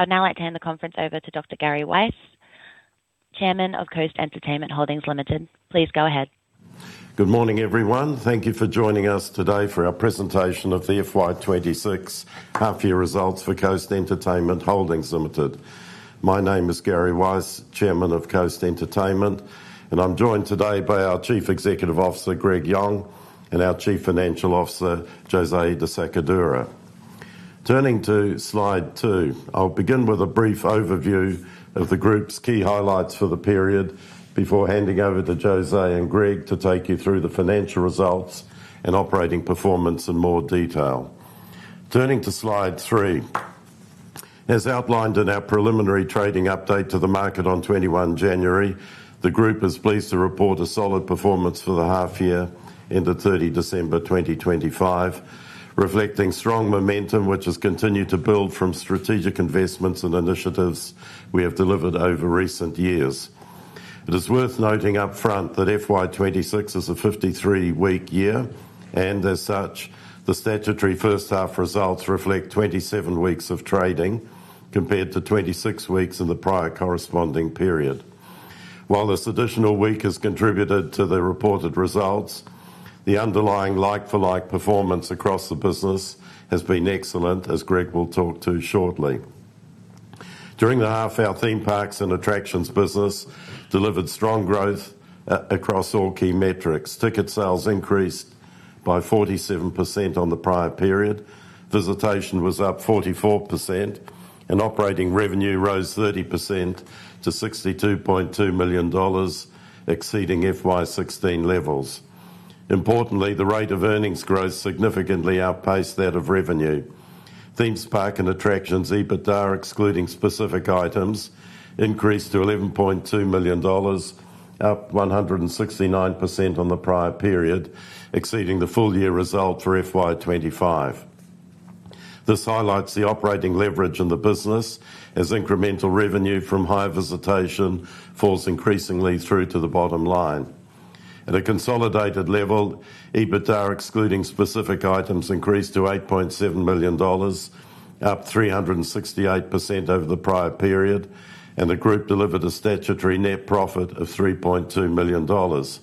I'd now like to hand the conference over to Dr. Gary Weiss, Chairman of Coast Entertainment Holdings Limited. Please go ahead. Good morning, everyone. Thank you for joining us today for our presentation of the FY 2026 half-year results for Coast Entertainment Holdings Limited. My name is Gary Weiss, Chairman of Coast Entertainment, and I'm joined today by our Chief Executive Officer, Greg Yong, and our Chief Financial Officer, Jose de Sacadura. Turning to slide two, I'll begin with a brief overview of the group's key highlights for the period before handing over to Jose and Greg to take you through the financial results and operating performance in more detail. Turning to slide three. As outlined in our preliminary trading update to the market on 21 January, the group is pleased to report a solid performance for the half year end of 30 December 2025, reflecting strong momentum, which has continued to build from strategic investments and initiatives we have delivered over recent years. It is worth noting up front that FY 2026 is a 53-week year, and as such, the statutory first half results reflect 27 weeks of trading, compared to 26 weeks in the prior corresponding period. While this additional week has contributed to the reported results, the underlying like-for-like performance across the business has been excellent, as Greg will talk to shortly. During the half-year, theme parks and attractions business delivered strong growth across all key metrics. Ticket sales increased by 47% on the prior period, visitation was up 44%, and operating revenue rose 30% to 62.2 million dollars, exceeding FY 2016 levels. Importantly, the rate of earnings growth significantly outpaced that of revenue. Theme parks and attractions EBITDA, excluding specific items, increased to AUD 11.2 million, up 169% on the prior period, exceeding the full-year result for FY 2025. This highlights the operating leverage in the business as incremental revenue from high visitation falls increasingly through to the bottom line. At a consolidated level, EBITDA, excluding specific items, increased to 8.7 million dollars, up 368% over the prior period, and the group delivered a statutory net profit of 3.2 million dollars.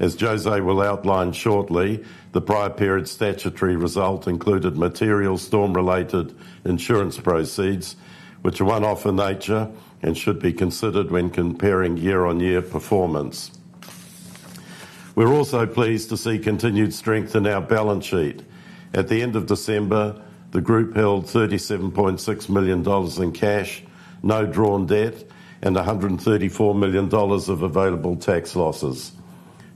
As Jose will outline shortly, the prior period statutory result included material storm-related insurance proceeds, which are one-off in nature and should be considered when comparing year-on-year performance. We're also pleased to see continued strength in our balance sheet. At the end of December, the group held 37.6 million dollars in cash, no drawn debt, and 134 million dollars of available tax losses.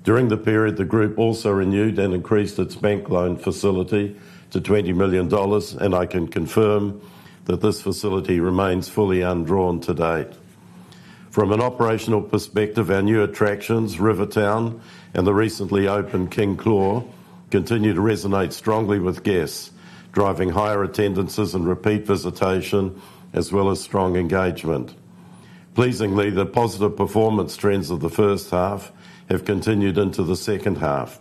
During the period, the group also renewed and increased its bank loan facility to 20 million dollars, and I can confirm that this facility remains fully undrawn to date. From an operational perspective, our new attractions, Rivertown and the recently opened King Claw, continue to resonate strongly with guests, driving higher attendances and repeat visitation, as well as strong engagement. Pleasingly, the positive performance trends of the first half have continued into the second half,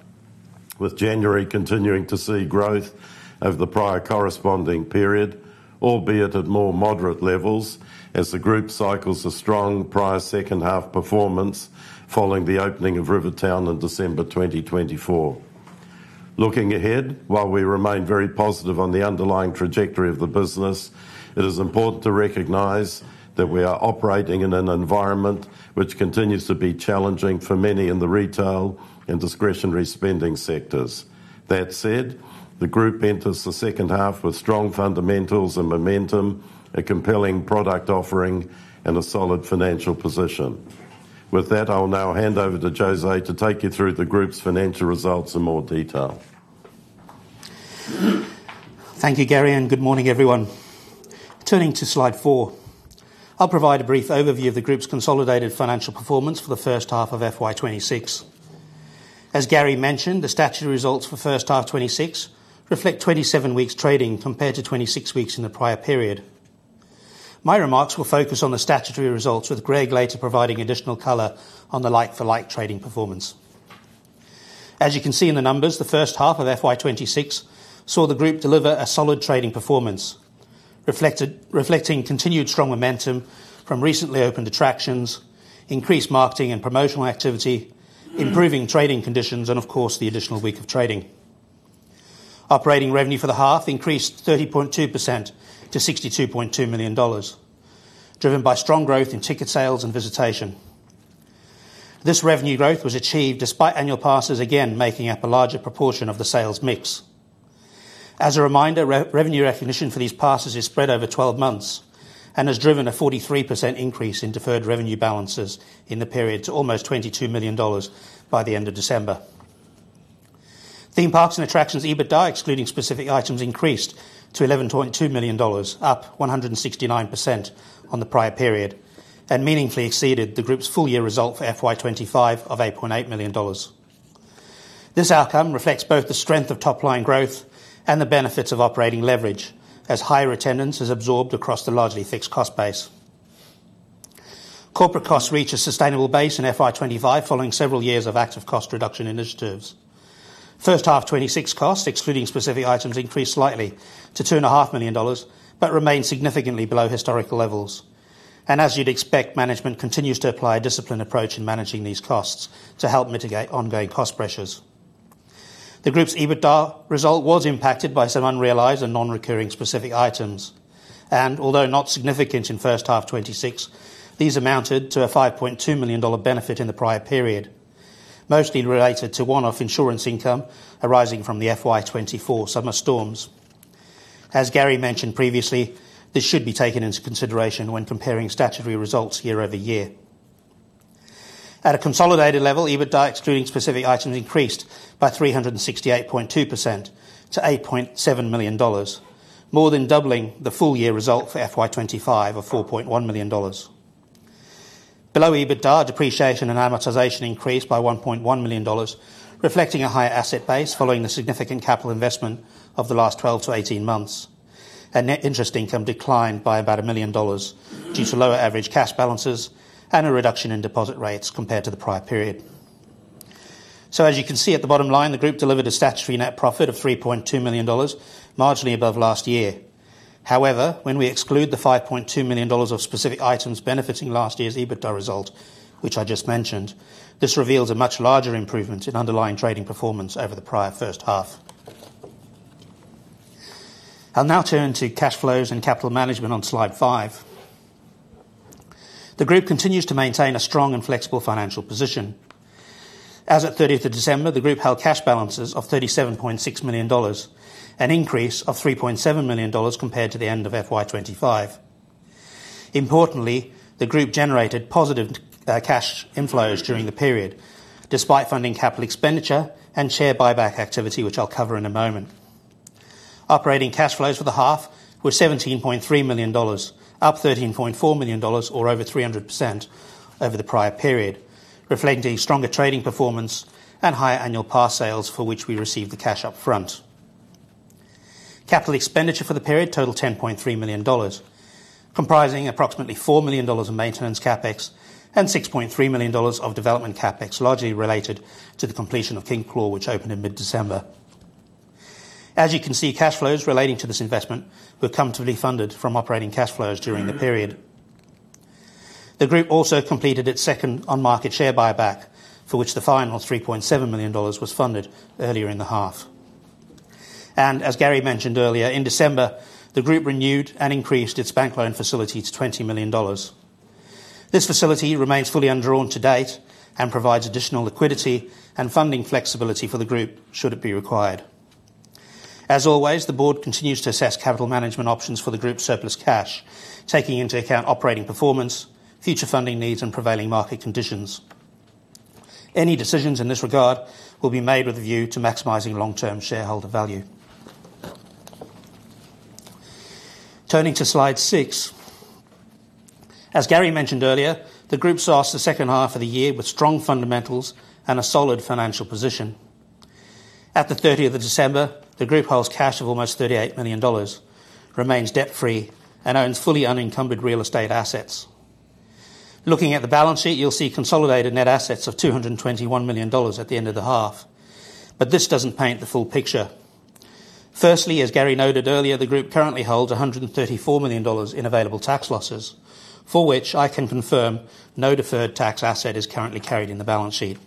with January continuing to see growth over the prior corresponding period, albeit at more moderate levels, as the group cycles a strong prior second half performance following the opening of Rivertown in December 2024. Looking ahead, while we remain very positive on the underlying trajectory of the business, it is important to recognize that we are operating in an environment which continues to be challenging for many in the retail and discretionary spending sectors. That said, the group enters the second half with strong fundamentals and momentum, a compelling product offering, and a solid financial position. With that, I'll now hand over to Jose to take you through the group's financial results in more detail. Thank you, Gary, and good morning, everyone. Turning to slide four, I'll provide a brief overview of the group's consolidated financial performance for the first half of FY 2026. As Gary mentioned, the statutory results for first half 2026 reflect 27 weeks trading compared to 26 weeks in the prior period. My remarks will focus on the statutory results, with Greg later providing additional color on the like-for-like trading performance. As you can see in the numbers, the first half of FY 2026 saw the group deliver a solid trading performance, reflecting continued strong momentum from recently opened attractions, increased marketing and promotional activity, improving trading conditions, and of course, the additional week of trading. Operating revenue for the half increased 30.2% to 62.2 million dollars, driven by strong growth in ticket sales and visitation. This revenue growth was achieved despite annual passes, again, making up a larger proportion of the sales mix. As a reminder, revenue recognition for these passes is spread over 12 months and has driven a 43% increase in deferred revenue balances in the period to almost 22 million dollars by the end of December. Theme parks and attractions, EBITDA, excluding specific items, increased to AUD 11.2 million, up 169% on the prior period, and meaningfully exceeded the group's full-year result for FY 2025 of 8.8 million dollars. This outcome reflects both the strength of top-line growth and the benefits of operating leverage as higher attendance is absorbed across the largely fixed cost base. Corporate costs reach a sustainable base in FY 2025, following several years of active cost reduction initiatives. First half 2026 costs, excluding specific items, increased slightly to 2.5 million dollars, but remain significantly below historical levels. As you'd expect, management continues to apply a disciplined approach in managing these costs to help mitigate ongoing cost pressures. The group's EBITDA result was impacted by some unrealized and non-recurring specific items. Although not significant in first half 2026, these amounted to a 5.2 million dollar benefit in the prior period, mostly related to one-off insurance income arising from the FY 2024 summer storms. As Gary mentioned previously, this should be taken into consideration when comparing statutory results year-over-year. At a consolidated level, EBITDA, excluding specific items, increased by 368.2% to 8.7 million dollars, more than doubling the full year result for FY 2025 of 4.1 million dollars. Below EBITDA, depreciation and amortization increased by 1.1 million dollars, reflecting a higher asset base following the significant capital investment of the last 12-18 months. Net interest income declined by about 1 million dollars due to lower average cash balances and a reduction in deposit rates compared to the prior period. As you can see at the bottom line, the group delivered a statutory net profit of 3.2 million dollars, marginally above last year. However, when we exclude the 5.2 million dollars of specific items benefiting last year's EBITDA result, which I just mentioned, this reveals a much larger improvement in underlying trading performance over the prior first half. I'll now turn to cash flows and capital management on slide five. The group continues to maintain a strong and flexible financial position. As at 30th of December, the group held cash balances of 37.6 million dollars, an increase of 3.7 million dollars compared to the end of FY 2025. Importantly, the group generated positive cash inflows during the period, despite funding capital expenditure and share buyback activity, which I'll cover in a moment. Operating cash flows for the half were 17.3 million dollars, up 13.4 million dollars or over 300% over the prior period, reflecting stronger trading performance and higher annual pass sales, for which we received the cash upfront. Capital expenditure for the period total 10.3 million dollars, comprising approximately 4 million dollars of maintenance CapEx and 6.3 million dollars of development CapEx, largely related to the completion of King Claw, which opened in mid-December. As you can see, cash flows relating to this investment were comfortably funded from operating cash flows during the period. The group also completed its second on-market share buyback, for which the final 3.7 million dollars was funded earlier in the half. As Gary mentioned earlier, in December, the group renewed and increased its bank loan facility to 20 million dollars. This facility remains fully undrawn to date and provides additional liquidity and funding flexibility for the group, should it be required. As always, the board continues to assess capital management options for the group's surplus cash, taking into account operating performance, future funding needs, and prevailing market conditions. Any decisions in this regard will be made with a view to maximizing long-term shareholder value. Turning to slide six. As Gary mentioned earlier, the group starts the second half of the year with strong fundamentals and a solid financial position. At the 30th of December, the group holds cash of almost 38 million dollars, remains debt-free, and owns fully unencumbered real estate assets. Looking at the balance sheet, you'll see consolidated net assets of 221 million dollars at the end of the half. But this doesn't paint the full picture. Firstly, as Gary noted earlier, the group currently holds 134 million dollars in available tax losses, for which I can confirm no deferred tax asset is currently carried in the balance sheet.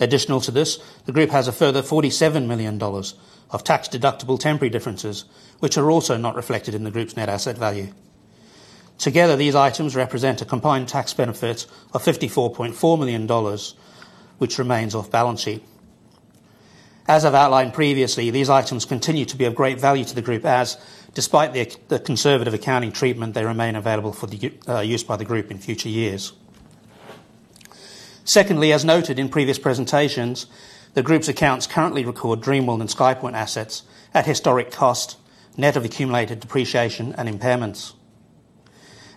Additional to this, the group has a further 47 million dollars of tax-deductible temporary differences, which are also not reflected in the group's net asset value. Together, these items represent a combined tax benefit of 54.4 million dollars, which remains off balance sheet. As I've outlined previously, these items continue to be of great value to the group, as despite the conservative accounting treatment, they remain available for the group's use by the group in future years. Secondly, as noted in previous presentations, the group's accounts currently record Dreamworld and SkyPoint assets at historic cost, net of accumulated depreciation and impairments.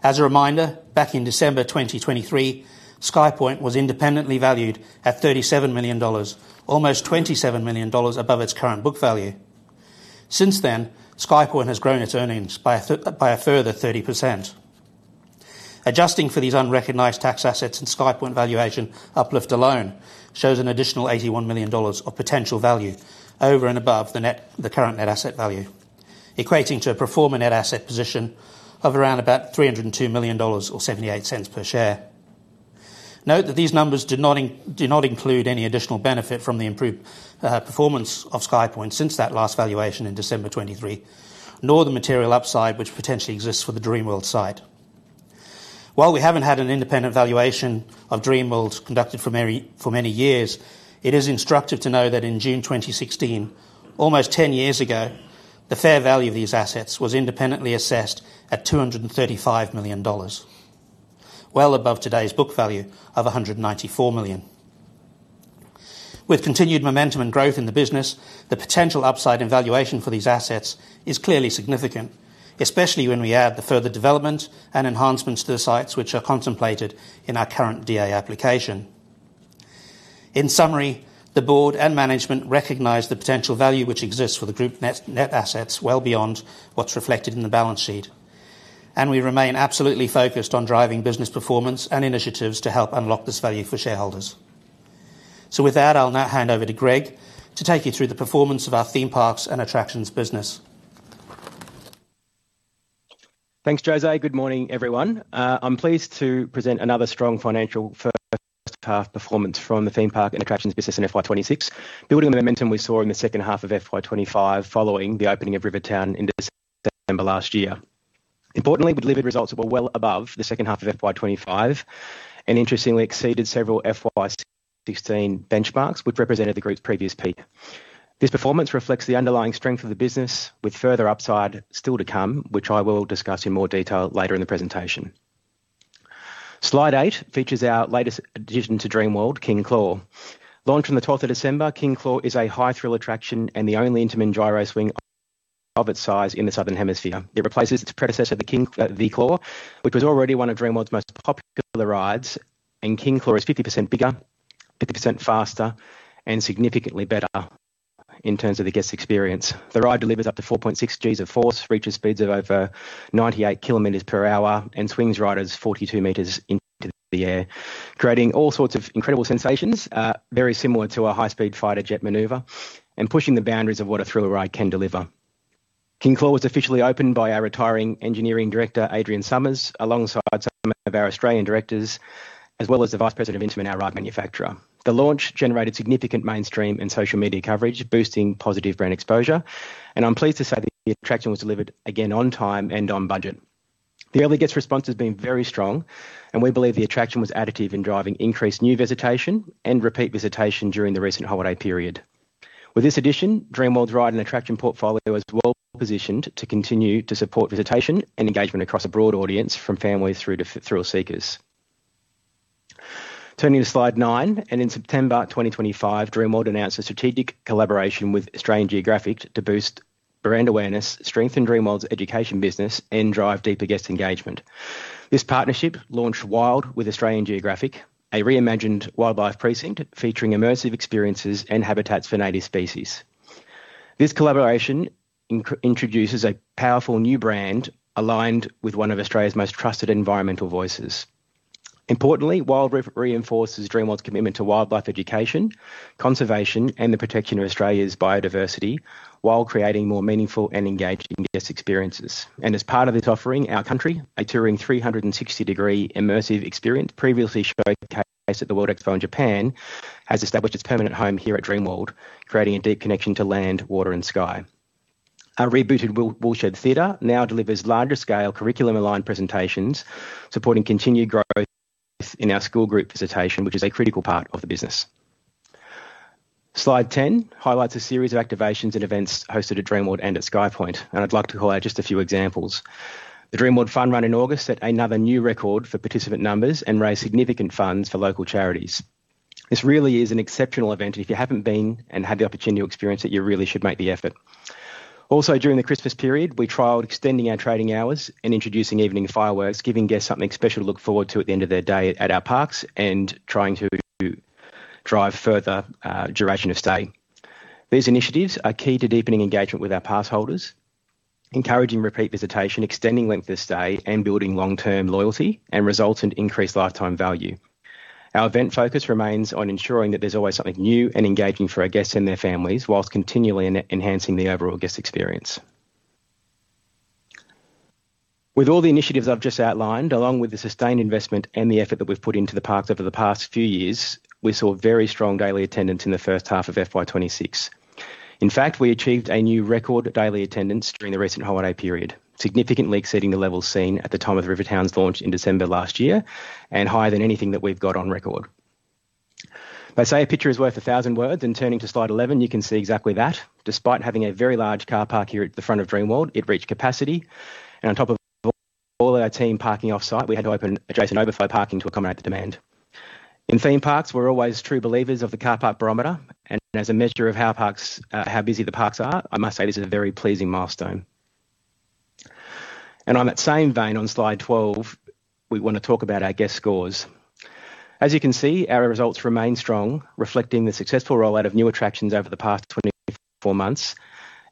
As a reminder, back in December 2023, SkyPoint was independently valued at 37 million dollars, almost 27 million dollars above its current book value. Since then, SkyPoint has grown its earnings by a further 30%. Adjusting for these unrecognized tax assets and SkyPoint valuation uplift alone, shows an additional 81 million dollars of potential value over and above the net, the current net asset value, equating to a pro forma net asset position of around about 302 million dollars or 0.78 per share. Note that these numbers do not include any additional benefit from the improved performance of SkyPoint since that last valuation in December 2023, nor the material upside, which potentially exists for the Dreamworld site. While we haven't had an independent valuation of Dreamworld conducted for many, for many years, it is instructive to know that in June 2016, almost ten years ago, the fair value of these assets was independently assessed at 235 million dollars, well above today's book value of 194 million. With continued momentum and growth in the business, the potential upside in valuation for these assets is clearly significant, especially when we add the further development and enhancements to the sites which are contemplated in our current DA application. In summary, the board and management recognize the potential value which exists for the group net-net assets well beyond what's reflected in the balance sheet, and we remain absolutely focused on driving business performance and initiatives to help unlock this value for shareholders. So with that, I'll now hand over to Greg to take you through the performance of our theme parks and attractions business. Thanks, Jose. Good morning, everyone. I'm pleased to present another strong financial first half performance from the theme park and attractions business in FY 2026, building on the momentum we saw in the second half of FY 2025, following the opening of Rivertown in December last year. Importantly, we delivered results that were well above the second half of FY 2025, and interestingly exceeded several FY 2016 benchmarks, which represented the group's previous peak. This performance reflects the underlying strength of the business, with further upside still to come, which I will discuss in more detail later in the presentation. Slide eight features our latest addition to Dreamworld, King Claw. Launched on the 12th of December, King Claw is a high-thrill attraction and the only Intamin Gyro Swing of its size in the Southern Hemisphere. It replaces its predecessor, The Claw, which was already one of Dreamworld's most popular rides, and King Claw is 50% bigger, 50% faster, and significantly better in terms of the guest experience. The ride delivers up to 4.6 Gs of force, reaches speeds of over 98 km per hour, and swings riders 42 m into the air, creating all sorts of incredible sensations, very similar to a high-speed fighter jet maneuver and pushing the boundaries of what a thriller ride can deliver. King Claw was officially opened by our retiring engineering director, Adrian Summers, alongside some of our Australian directors, as well as the vice president of Intamin, our ride manufacturer. The launch generated significant mainstream and social media coverage, boosting positive brand exposure, and I'm pleased to say that the attraction was delivered again on time and on budget. The early guest response has been very strong, and we believe the attraction was additive in driving increased new visitation and repeat visitation during the recent holiday period. With this addition, Dreamworld's ride and attraction portfolio is well positioned to continue to support visitation and engagement across a broad audience, from families through to thrill seekers. Turning to slide nine, and in September 2025, Dreamworld announced a strategic collaboration with Australian Geographic to boost brand awareness, strengthen Dreamworld's education business, and drive deeper guest engagement. This partnership launched Wild with Australian Geographic, a reimagined wildlife precinct featuring immersive experiences and habitats for native species. This collaboration introduces a powerful new brand aligned with one of Australia's most trusted environmental voices. Importantly, Wild reinforces Dreamworld's commitment to wildlife education, conservation, and the protection of Australia's biodiversity, while creating more meaningful and engaging guest experiences. As part of this offering, Our Country, a touring 360-degree immersive experience previously showcased at the World Expo in Japan, has established its permanent home here at Dreamworld, creating a deep connection to land, water, and sky. Our rebooted Woolshed Theatre now delivers larger-scale, curriculum-aligned presentations, supporting continued growth in our school group visitation, which is a critical part of the business. Slide 10 highlights a series of activations and events hosted at Dreamworld and at SkyPoint, and I'd like to call out just a few examples. The Dreamworld Fun Run in August set another new record for participant numbers and raised significant funds for local charities. This really is an exceptional event, and if you haven't been and had the opportunity to experience it, you really should make the effort. Also, during the Christmas period, we trialled extending our trading hours and introducing evening fireworks, giving guests something special to look forward to at the end of their day at our parks and trying to drive further duration of stay. These initiatives are key to deepening engagement with our pass holders, encouraging repeat visitation, extending length of stay, and building long-term loyalty and result in increased lifetime value. Our event focus remains on ensuring that there's always something new and engaging for our guests and their families, while continually enhancing the overall guest experience. With all the initiatives I've just outlined, along with the sustained investment and the effort that we've put into the park over the past few years, we saw very strong daily attendance in the first half of FY26. In fact, we achieved a new record daily attendance during the recent holiday period, significantly exceeding the levels seen at the time of the Rivertown's launch in December last year, and higher than anything that we've got on record. They say a picture is worth 1,000 words, and turning to slide 11, you can see exactly that. Despite having a very large car park here at the front of Dreamworld, it reached capacity, and on top of all our team parking off-site, we had to open adjacent overflow parking to accommodate the demand. In theme parks, we're always true believers of the car park barometer, and as a measure of how busy the parks are, I must say this is a very pleasing milestone. And on that same vein, on slide 12, we want to talk about our guest scores. As you can see, our results remain strong, reflecting the successful rollout of new attractions over the past 24 months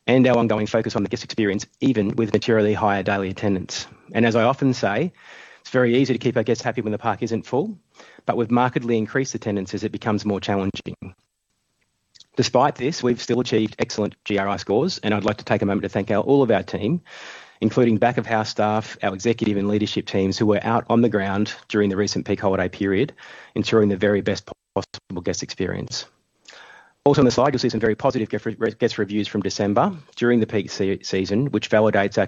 and our ongoing focus on the guest experience, even with materially higher daily attendance. As I often say, it's very easy to keep our guests happy when the park isn't full, but with markedly increased attendances, it becomes more challenging. Despite this, we've still achieved excellent GRI scores, and I'd like to take a moment to thank all of our team, including back-of-house staff, our executive and leadership teams, who were out on the ground during the recent peak holiday period, ensuring the very best possible guest experience. Also on the slide, you'll see some very positive guest reviews from December during the peak season, which validates our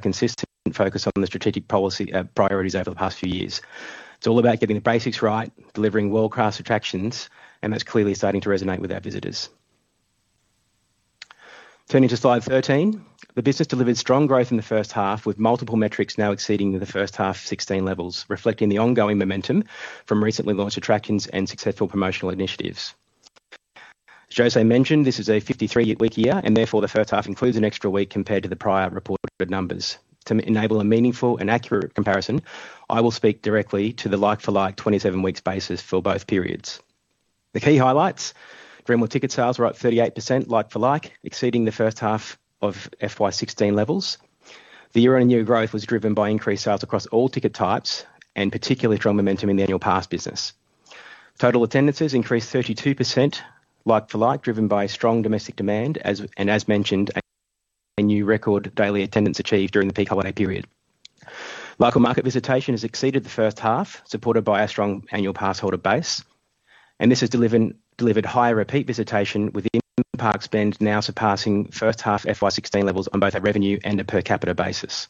consistent focus on the strategic policy priorities over the past few years. It's all about getting the basics right, delivering world-class attractions, and that's clearly starting to resonate with our visitors. Turning to slide 13, the business delivered strong growth in the first half, with multiple metrics now exceeding the first half 16 levels, reflecting the ongoing momentum from recently launched attractions and successful promotional initiatives. As Jose mentioned, this is a 53-week year, and therefore the first half includes an extra week compared to the prior reported numbers. To enable a meaningful and accurate comparison, I will speak directly to the like-for-like 27 weeks basis for both periods. The key highlights, Dreamworld ticket sales were up 38% like-for-like, exceeding the first half of FY 2016 levels. The year-on-year growth was driven by increased sales across all ticket types and particularly strong momentum in the annual pass business. Total attendances increased 32% like-for-like, driven by strong domestic demand, as, and as mentioned, a new record daily attendance achieved during the peak holiday period. Local market visitation has exceeded the first half, supported by a strong annual pass holder base, and this has delivered higher repeat visitation, with in-park spend now surpassing first half FY 2016 levels on both a revenue and a per capita basis.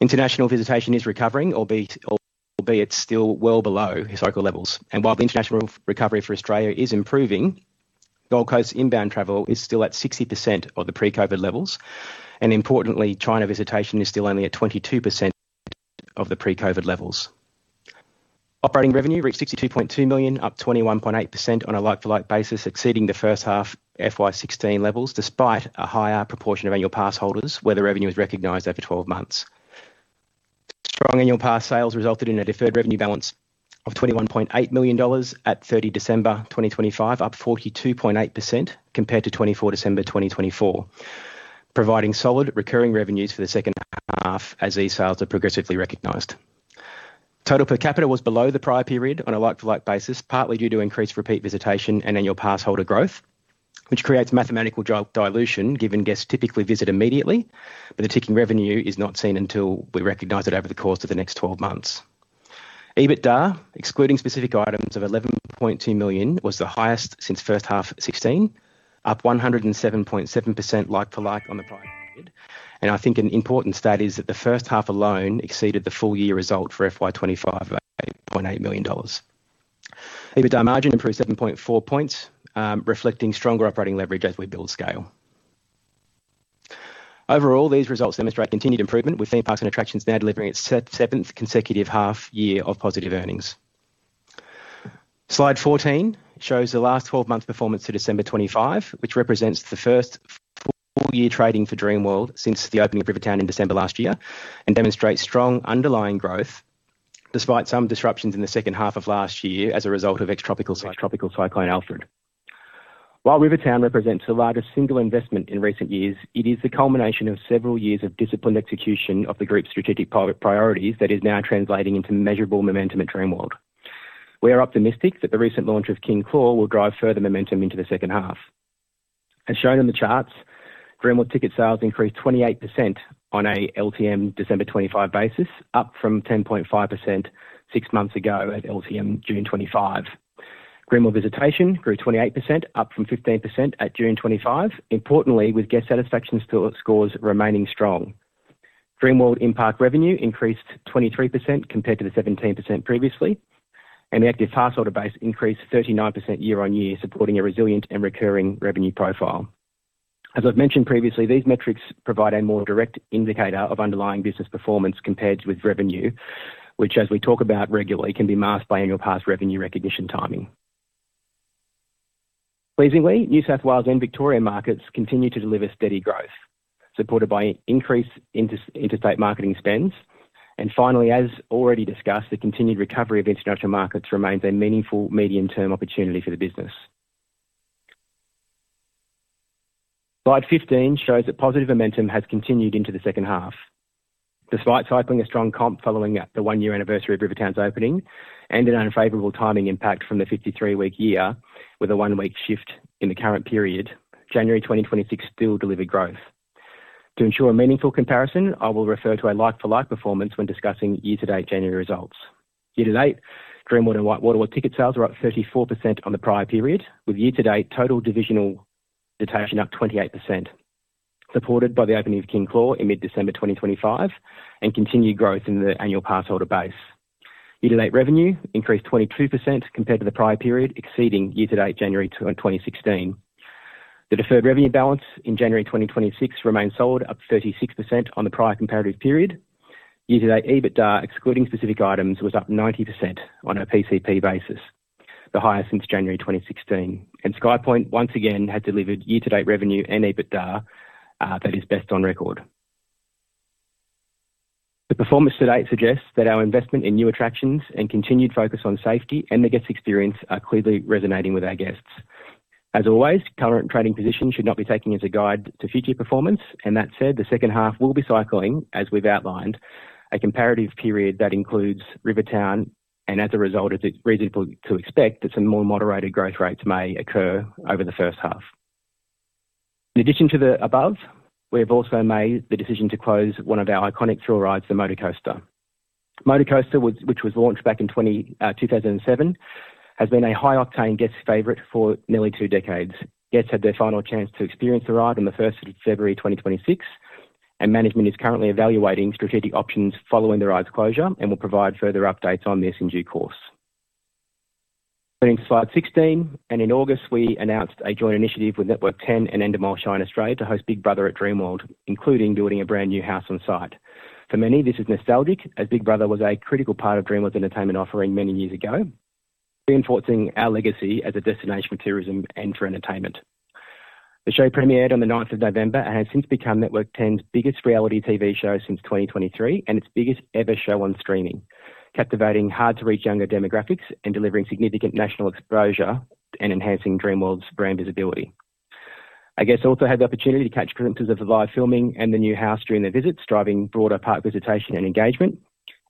International visitation is recovering, albeit still well below historical levels, and while the international recovery for Australia is improving, Gold Coast inbound travel is still at 60% of the pre-COVID levels, and importantly, China visitation is still only at 22% of the pre-COVID levels. Operating revenue reached 62.2 million, up 21.8% on a like-for-like basis, exceeding the first half FY 2016 levels, despite a higher proportion of annual pass holders, where the revenue is recognized over 12 months. Strong annual pass sales resulted in a deferred revenue balance of 21.8 million dollars at 30 December 2025, up 42.8% compared to 24 December 2024, providing solid recurring revenues for the second half as these sales are progressively recognized. Total per capita was below the prior period on a like-for-like basis, partly due to increased repeat visitation and annual pass holder growth, which creates mathematical dilution, given guests typically visit immediately, but the ticking revenue is not seen until we recognize it over the course of the next 12 months. EBITDA, excluding specific items of 11.2 million, was the highest since first half 2016, up 107.7% like-for-like on the prior period. And I think an important stat is that the first half alone exceeded the full year result for FY 2025 of 25.8 million dollars. EBITDA margin improved 7.4 points, reflecting stronger operating leverage as we build scale. Overall, these results demonstrate continued improvement, with theme parks and attractions now delivering its seventh consecutive half year of positive earnings. Slide 14 shows the last 12-month performance to December 2025, which represents the first full year trading for Dreamworld since the opening of Rivertown in December last year, and demonstrates strong underlying growth despite some disruptions in the second half of last year as a result of ex-Tropical Cyclone Alfred. While Rivertown represents the largest single investment in recent years, it is the culmination of several years of disciplined execution of the group's strategic priorities that is now translating into measurable momentum at Dreamworld. We are optimistic that the recent launch of King Claw will drive further momentum into the second half. As shown in the charts, Dreamworld ticket sales increased 28% on a LTM December 2025 basis, up from 10.5% six months ago at LTM June 2025. Dreamworld visitation grew 28%, up from 15% at June 2025. Importantly, with guest satisfaction scores still remaining strong. Dreamworld in-park revenue increased 23% compared to the 17% previously, and the active pass holder base increased 39% year-on-year, supporting a resilient and recurring revenue profile. As I've mentioned previously, these metrics provide a more direct indicator of underlying business performance compared with revenue, which, as we talk about regularly, can be masked by annual pass revenue recognition timing. Pleasingly, New South Wales and Victoria markets continue to deliver steady growth, supported by increased inter-interstate marketing spends. And finally, as already discussed, the continued recovery of international markets remains a meaningful medium-term opportunity for the business. Slide 15 shows that positive momentum has continued into the second half. Despite cycling a strong comp following up the one-year anniversary of Rivertown's opening and an unfavorable timing impact from the 53-week year, with a one-week shift in the current period, January 2026 still delivered growth. To ensure a meaningful comparison, I will refer to a like-for-like performance when discussing year-to-date January results. Year-to-date, Dreamworld and WhiteWater ticket sales were up 34% on the prior period, with year-to-date total divisional visitation up 28%, supported by the opening of King Claw in mid-December 2025, and continued growth in the annual pass holder base. Year-to-date revenue increased 22% compared to the prior period, exceeding year-to-date January to 2016. The deferred revenue balance in January 2026 remains solid, up 36% on the prior comparative period. Year-to-date, EBITDA, excluding specific items, was up 90% on a PCP basis, the highest since January 2016, and SkyPoint once again has delivered year-to-date revenue and EBITDA that is best on record. The performance to date suggests that our investment in new attractions and continued focus on safety and the guest experience are clearly resonating with our guests. As always, current trading positions should not be taken as a guide to future performance, and that said, the second half will be cycling, as we've outlined, a comparative period that includes Rivertown, and as a result, it is reasonable to expect that some more moderated growth rates may occur over the first half. In addition to the above, we have also made the decision to close one of our iconic thrill rides, the Motocoaster. Motocoaster, which was launched back in 2007, has been a high-octane guests favorite for nearly two decades. Guests had their final chance to experience the ride on February 1, 2026, and management is currently evaluating strategic options following the ride's closure and will provide further updates on this in due course. Going to slide 16, and in August, we announced a joint initiative with Network Ten and Endemol Shine Australia to host Big Brother at Dreamworld, including building a brand-new house on site. For many, this is nostalgic, as Big Brother was a critical part of Dreamworld's entertainment offering many years ago, reinforcing our legacy as a destination for tourism and for entertainment. The show premiered on the 9th of November and has since become Network Ten's biggest reality TV show since 2023 and its biggest ever show on streaming, captivating hard-to-reach younger demographics and delivering significant national exposure and enhancing Dreamworld's brand visibility. Our guests also had the opportunity to catch glimpses of the live filming and the new house during their visits, driving broader park visitation and engagement.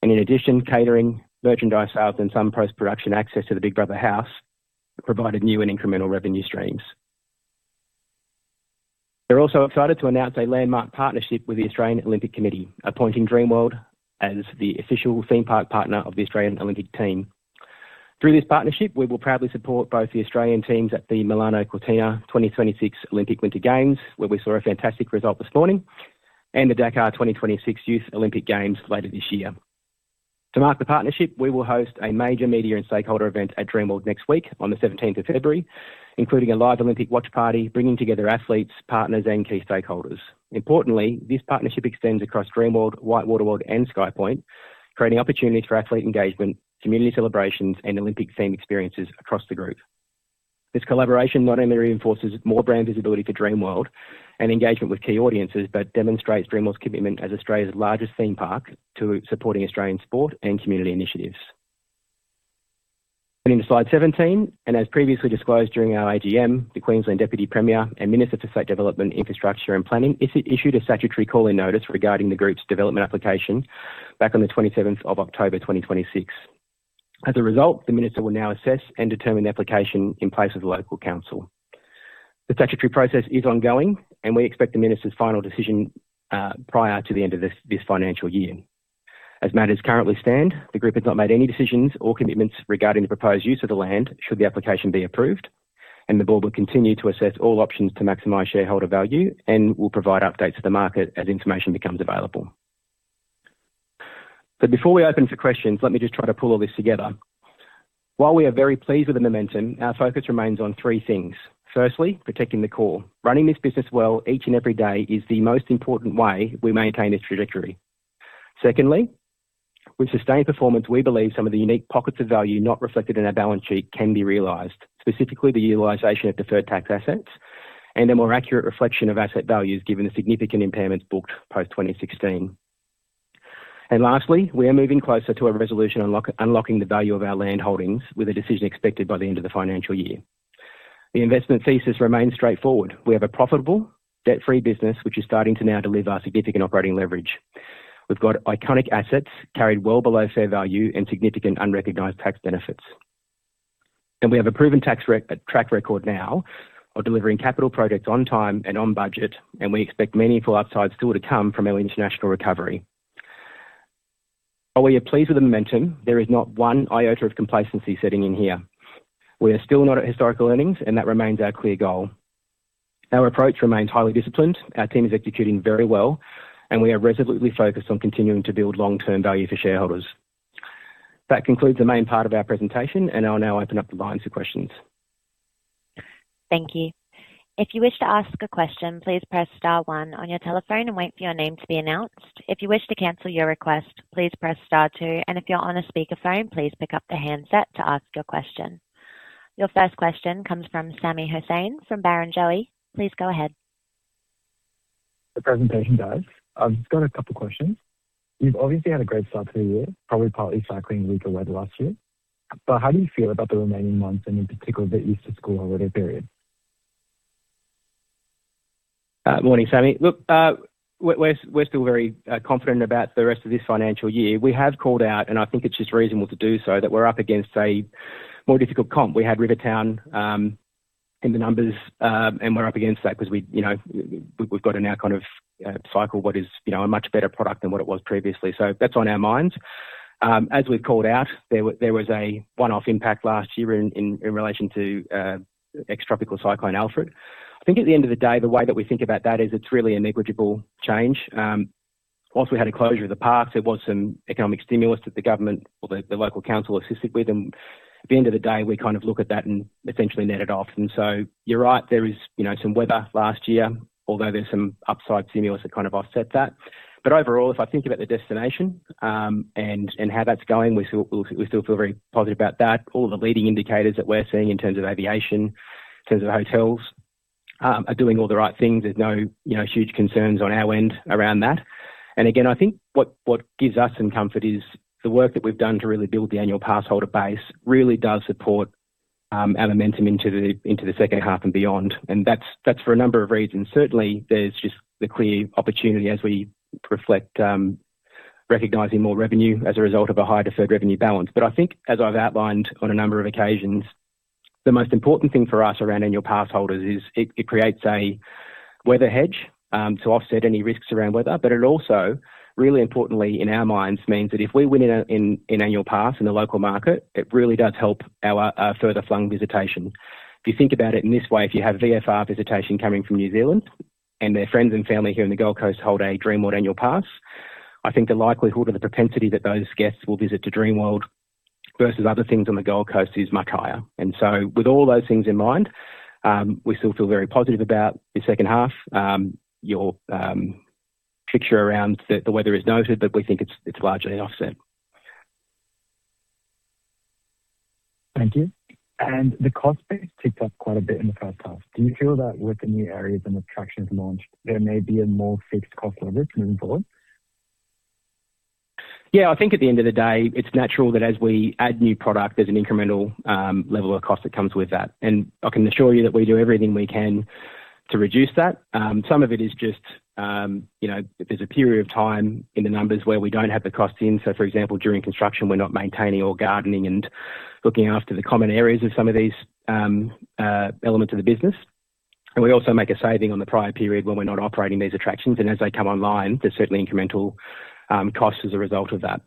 In addition, catering, merchandise sales and some post-production access to the Big Brother house provided new and incremental revenue streams. We're also excited to announce a landmark partnership with the Australian Olympic Committee, appointing Dreamworld as the official theme park partner of the Australian Olympic Team. Through this partnership, we will proudly support both the Australian teams at the Milano Cortina 2026 Olympic Winter Games, where we saw a fantastic result this morning, and the Dakar 2026 Youth Olympic Games later this year. To mark the partnership, we will host a major media and stakeholder event at Dreamworld next week on the seventeenth of February, including a live Olympic watch party, bringing together athletes, partners and key stakeholders. Importantly, this partnership extends across Dreamworld, WhiteWater World and SkyPoint, creating opportunities for athlete engagement, community celebrations, and Olympic theme experiences across the group. This collaboration not only reinforces more brand visibility for Dreamworld and engagement with key audiences, but demonstrates Dreamworld's commitment as Australia's largest theme park to supporting Australian sport and community initiatives. In slide 17, and as previously disclosed during our AGM, the Queensland Deputy Premier and Minister for State Development, Infrastructure and Planning issued a statutory call-in notice regarding the Group's development application back on the 27th of October 2026. As a result, the Minister will now assess and determine the application in place of the local council. The statutory process is ongoing, and we expect the Minister's final decision prior to the end of this financial year. As matters currently stand, the Group has not made any decisions or commitments regarding the proposed use of the land should the application be approved, and the Board will continue to assess all options to maximize shareholder value and will provide updates to the market as information becomes available. But before we open for questions, let me just try to pull all this together. While we are very pleased with the momentum, our focus remains on three things: firstly, protecting the core. Running this business well, each and every day, is the most important way we maintain this trajectory. Secondly, with sustained performance, we believe some of the unique pockets of value not reflected in our balance sheet can be realized, specifically the utilization of deferred tax assets and a more accurate reflection of asset values given the significant impairments booked post-2016. And lastly, we are moving closer to a resolution unlocking the value of our land holdings, with a decision expected by the end of the financial year. The investment thesis remains straightforward. We have a profitable, debt-free business which is starting to now deliver significant operating leverage. We've got iconic assets carried well below fair value and significant unrecognized tax benefits. And we have a proven track record now of delivering capital projects on time and on budget, and we expect meaningful upside still to come from our international recovery. While we are pleased with the momentum, there is not one iota of complacency setting in here. We are still not at historical earnings, and that remains our clear goal. Our approach remains highly disciplined, our team is executing very well, and we are resolutely focused on continuing to build long-term value for shareholders. That concludes the main part of our presentation, and I'll now open up the lines for questions. Thank you. If you wish to ask a question, please press star one on your telephone and wait for your name to be announced. If you wish to cancel your request, please press star two, and if you're on a speakerphone, please pick up the handset to ask your question. Your first question comes from Sami Hossain from Barrenjoey. Please go ahead. The presentation, guys. I've just got a couple questions. You've obviously had a great start to the year, probably partly cycling weaker weather last year, but how do you feel about the remaining months and in particular, the end of school holiday period? Morning, Sami. Look, we're still very confident about the rest of this financial year. We have called out, and I think it's just reasonable to do so, that we're up against a more difficult comp. We had Rivertown in the numbers, and we're up against that because we, you know, we've got to now kind of cycle what is, you know, a much better product than what it was previously. So that's on our minds. As we've called out, there were, there was a one-off impact last year in relation to ex-tropical Cyclone Alfred. I think at the end of the day, the way that we think about that is it's really a negligible change. Whilst we had a closure of the parks, there was some economic stimulus that the government or the local council assisted with, and at the end of the day, we kind of look at that and essentially net it off. So you're right, there is, you know, some weather last year, although there's some upside stimulus that kind of offset that. But overall, if I think about the destination, and how that's going, we still feel very positive about that. All the leading indicators that we're seeing in terms of aviation, in terms of hotels, are doing all the right things. There's no, you know, huge concerns on our end around that. And again, I think what gives us some comfort is the work that we've done to really build the annual pass holder base really does support our momentum into the second half and beyond, and that's for a number of reasons. Certainly, there's just the clear opportunity as we reflect, recognizing more revenue as a result of a high deferred revenue balance. But I think as I've outlined on a number of occasions, the most important thing for us around annual pass holders is it creates a weather hedge to offset any risks around weather. But it also, really importantly in our minds, means that if we win in a annual pass in the local market, it really does help our further flung visitation. If you think about it in this way, if you have VFR visitation coming from New Zealand and their friends and family here in the Gold Coast hold a Dreamworld annual pass, I think the likelihood or the propensity that those guests will visit Dreamworld versus other things on the Gold Coast is much higher. And so with all those things in mind, we still feel very positive about the second half. Your picture around the weather is noted, but we think it's largely offset. Thank you. The cost base ticked up quite a bit in the first half. Do you feel that with the new areas and attractions launched, there may be a more fixed cost leverage moving forward? Yeah, I think at the end of the day, it's natural that as we add new product, there's an incremental level of cost that comes with that, and I can assure you that we do everything we can to reduce that. Some of it is just, you know, there's a period of time in the numbers where we don't have the costs in. So, for example, during construction, we're not maintaining or gardening and looking after the common areas of some of these elements of the business. And we also make a saving on the prior period when we're not operating these attractions, and as they come online, there's certainly incremental costs as a result of that.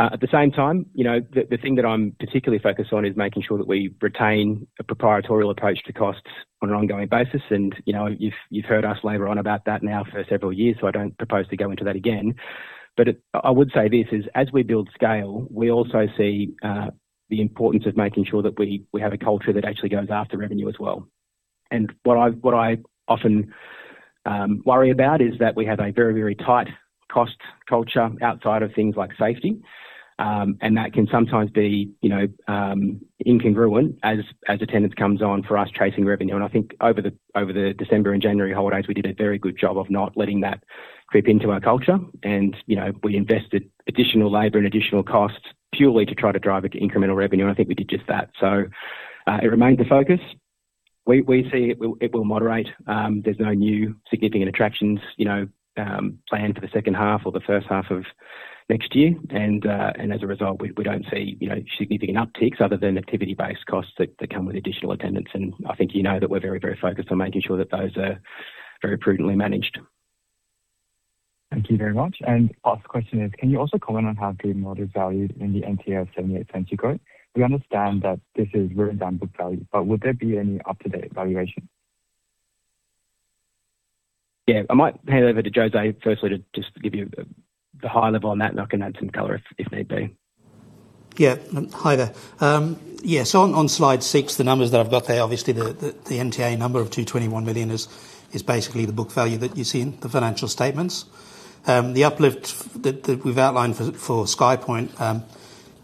At the same time, you know, the thing that I'm particularly focused on is making sure that we retain a proprietorial approach to costs on an ongoing basis. And, you know, you've, you've heard us labor on about that now for several years, so I don't propose to go into that again. But it, I would say this is, as we build scale, we also see the importance of making sure that we, we have a culture that actually goes after revenue as well. And what I, what I often worry about is that we have a very, very tight cost culture outside of things like safety, and that can sometimes be, you know, incongruent as, as attendance comes on for us chasing revenue. I think over the December and January holidays, we did a very good job of not letting that creep into our culture. You know, we invested additional labor and additional costs purely to try to drive incremental revenue, and I think we did just that. So, it remains a focus. We see it will moderate. There's no new significant attractions, you know, planned for the second half or the first half of next year. And as a result, we don't see, you know, significant upticks other than activity-based costs that come with additional attendance. And I think you know that we're very, very focused on making sure that those are very prudently managed. Thank you very much. Last question is, can you also comment on how Dreamworld is valued in the NTA 0.78 you quote? We understand that this is written down book value, but would there be any up-to-date valuation? Yeah, I might hand over to Jose firstly to just give you the high level on that, and I can add some color if need be. Yeah. Hi there. Yes, on slide six, the numbers that I've got there, obviously the NTA number of 221 million is basically the book value that you see in the financial statements. The uplift that we've outlined for SkyPoint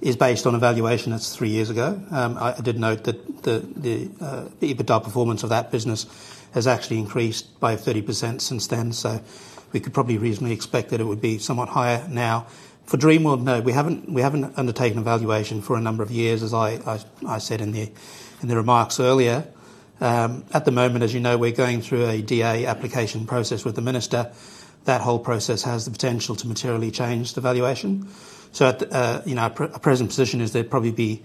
is based on a valuation that's three years ago. I did note that the EBITDA performance of that business has actually increased by 30% since then, so we could probably reasonably expect that it would be somewhat higher now. For Dreamworld, no, we haven't undertaken a valuation for a number of years, as I said in the remarks earlier. At the moment, as you know, we're going through a DA application process with the Minister. That whole process has the potential to materially change the valuation. So at, you know, our present position is there'd probably be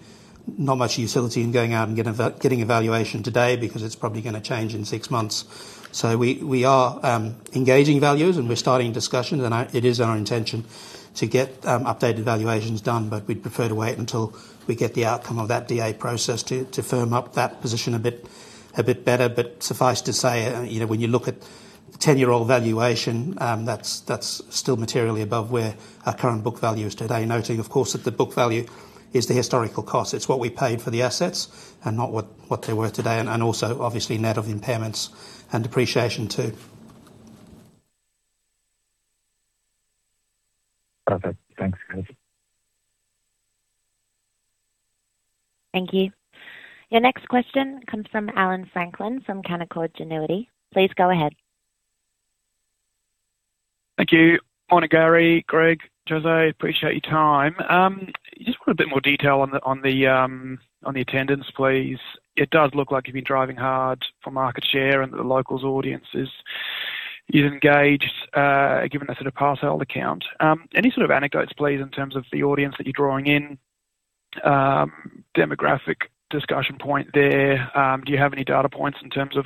not much utility in going out and getting a valuation today because it's probably gonna change in six months. So we are engaging valuers, and we're starting discussions, and I. It is our intention to get updated valuations done, but we'd prefer to wait until we get the outcome of that DA process to firm up that position a bit better. But suffice to say, you know, when you look at 10-year-old valuation, that's still materially above where our current book value is today. Noting, of course, that the book value is the historical cost. It's what we paid for the assets and not what they're worth today, and also obviously net of impairments and depreciation, too. Perfect. Thanks, guys. Thank you. Your next question comes from Allan Franklin from Canaccord Genuity. Please go ahead. Thank you. Morning, Gary, Greg, Jose, appreciate your time. Just want a bit more detail on the attendance, please. It does look like you've been driving hard for market share and the locals audience is engaged, given the sort of parcel account. Any sort of anecdotes, please, in terms of the audience that you're drawing in, demographic discussion point there, do you have any data points in terms of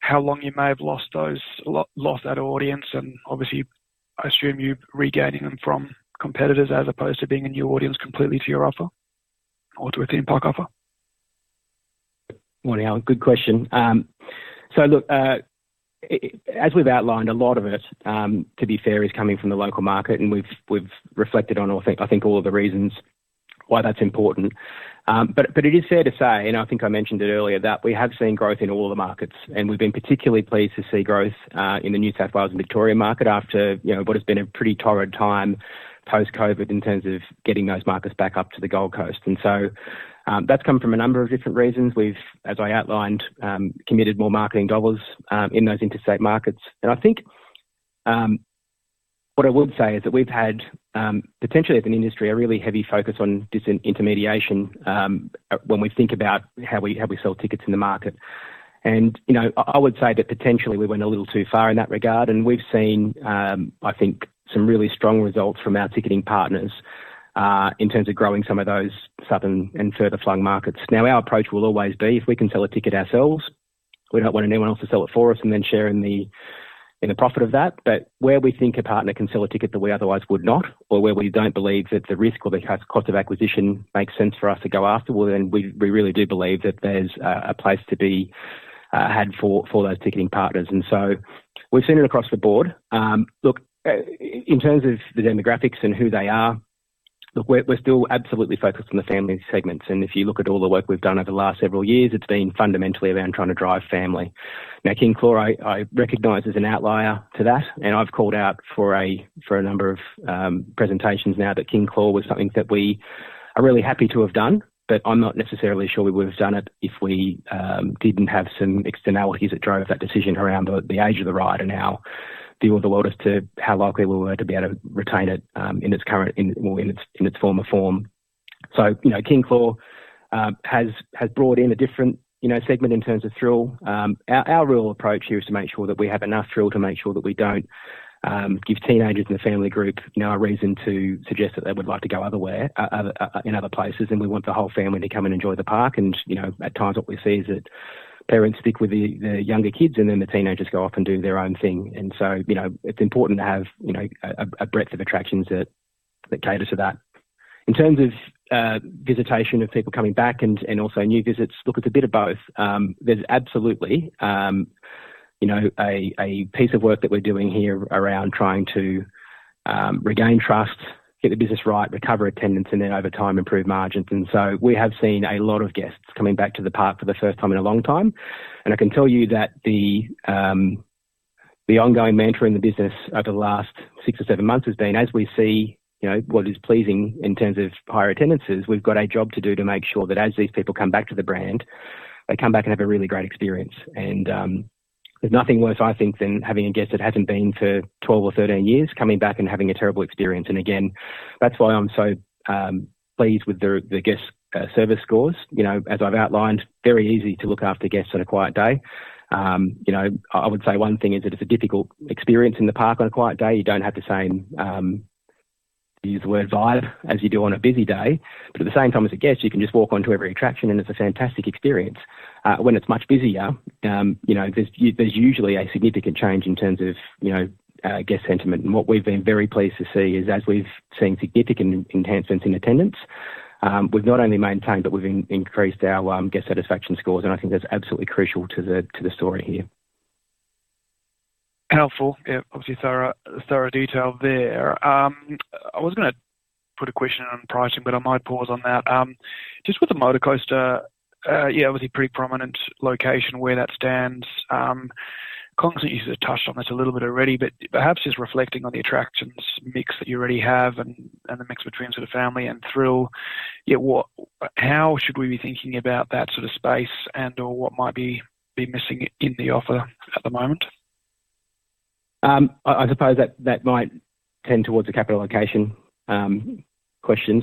how long you may have lost that audience? And obviously, I assume you're regaining them from competitors as opposed to being a new audience completely to your offer or to a theme park offer. Morning, Allan, good question. So look, as we've outlined, a lot of it, to be fair, is coming from the local market, and we've reflected on, I think, all of the reasons why that's important. But it is fair to say, and I think I mentioned it earlier, that we have seen growth in all the markets, and we've been particularly pleased to see growth in the New South Wales and Victoria market after, you know, what has been a pretty torrid time post-COVID in terms of getting those markets back up to the Gold Coast. And so, that's come from a number of different reasons. We've, as I outlined, committed more marketing dollars in those interstate markets. I think what I would say is that we've had potentially as an industry a really heavy focus on disintermediation when we think about how we sell tickets in the market. You know, I would say that potentially we went a little too far in that regard, and we've seen I think some really strong results from our ticketing partners in terms of growing some of those southern and further flung markets. Now, our approach will always be, if we can sell a ticket ourselves, we don't want anyone else to sell it for us and then share in the profit of that. But where we think a partner can sell a ticket that we otherwise would not, or where we don't believe that the risk or the cost of acquisition makes sense for us to go after, well, then we really do believe that there's a place to be had for those ticketing partners. And so we've seen it across the board. Look, in terms of the demographics and who they are, look, we're still absolutely focused on the family segments, and if you look at all the work we've done over the last several years, it's been fundamentally around trying to drive family. Now, King Claw, I recognize, is an outlier to that, and I've called out for a number of presentations now that King Claw was something that we are really happy to have done, but I'm not necessarily sure we would have done it if we didn't have some externalities that drove that decision around the age of the ride and how the odds were lowered as to how likely we were to be able to retain it in its current, well, in its former form. So, you know, King Claw has brought in a different, you know, segment in terms of thrill. Our real approach here is to make sure that we have enough thrill to make sure that we don't give teenagers in the family group, you know, a reason to suggest that they would like to go elsewhere in other places, and we want the whole family to come and enjoy the park. You know, at times what we see is that parents stick with the younger kids, and then the teenagers go off and do their own thing. So, you know, it's important to have a breadth of attractions that cater to that. In terms of visitation of people coming back and also new visits, look, it's a bit of both. There's absolutely, you know, a piece of work that we're doing here around trying to regain trust, get the business right, recover attendance, and then over time, improve margins. And so we have seen a lot of guests coming back to the park for the first time in a long time. And I can tell you that the ongoing mantra in the business over the last six or seven months has been, as we see, you know, what is pleasing in terms of higher attendances, we've got a job to do to make sure that as these people come back to the brand, they come back and have a really great experience. And there's nothing worse, I think, than having a guest that hasn't been for 12 or 13 years, coming back and having a terrible experience. Again, that's why I'm so pleased with the guest service scores. You know, as I've outlined, very easy to look after guests on a quiet day. You know, I would say one thing is that if a difficult experience in the park on a quiet day, you don't have the same use the word vibe as you do on a busy day. But at the same time, as a guest, you can just walk on to every attraction, and it's a fantastic experience. When it's much busier, you know, there's usually a significant change in terms of, you know, guest sentiment. What we've been very pleased to see is, as we've seen significant enhancements in attendance, we've not only maintained, but we've increased our guest satisfaction scores, and I think that's absolutely crucial to the story here. Powerful. Yeah, obviously, thorough, thorough detail there. I was gonna put a question on pricing, but I might pause on that. Just with the rollercoaster, yeah, obviously pretty prominent location where that stands. Constantly, you touched on this a little bit already, but perhaps just reflecting on the attractions mix that you already have and, and the mix between sort of family and thrill, yeah, what - how should we be thinking about that sort of space and/or what might be, be missing in the offer at the moment? I suppose that might tend towards a capital allocation question.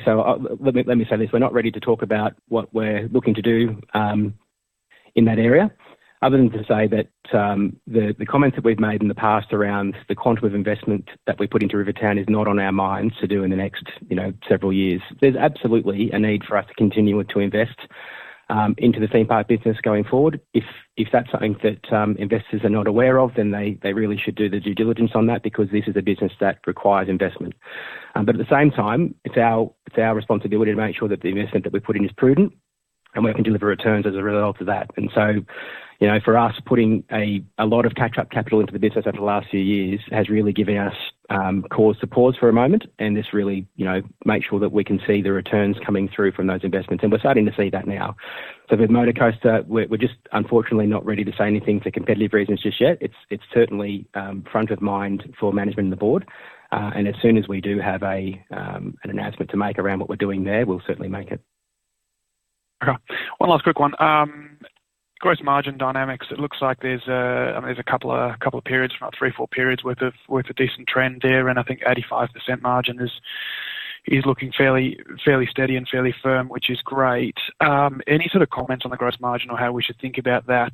So let me say this: we're not ready to talk about what we're looking to do in that area, other than to say that the comments that we've made in the past around the quantity of investment that we put into Rivertown is not on our minds to do in the next, you know, several years. There's absolutely a need for us to continue to invest into the theme park business going forward. If that's something that investors are not aware of, then they really should do the due diligence on that because this is a business that requires investment. But at the same time, it's our, it's our responsibility to make sure that the investment that we're putting is prudent, and we can deliver returns as a result of that. And so, you know, for us, putting a lot of catch-up capital into the business over the last few years has really given us cause to pause for a moment and just really, you know, make sure that we can see the returns coming through from those investments, and we're starting to see that now. So with rollercoaster, we're just unfortunately not ready to say anything for competitive reasons just yet. It's certainly front of mind for management and the board, and as soon as we do have an announcement to make around what we're doing there, we'll certainly make it. Okay. One last quick one. Gross margin dynamics, it looks like there's a couple of periods, about three, four periods worth of, with a decent trend there, and I think 85% margin is looking fairly steady and fairly firm, which is great. Any sort of comment on the gross margin or how we should think about that?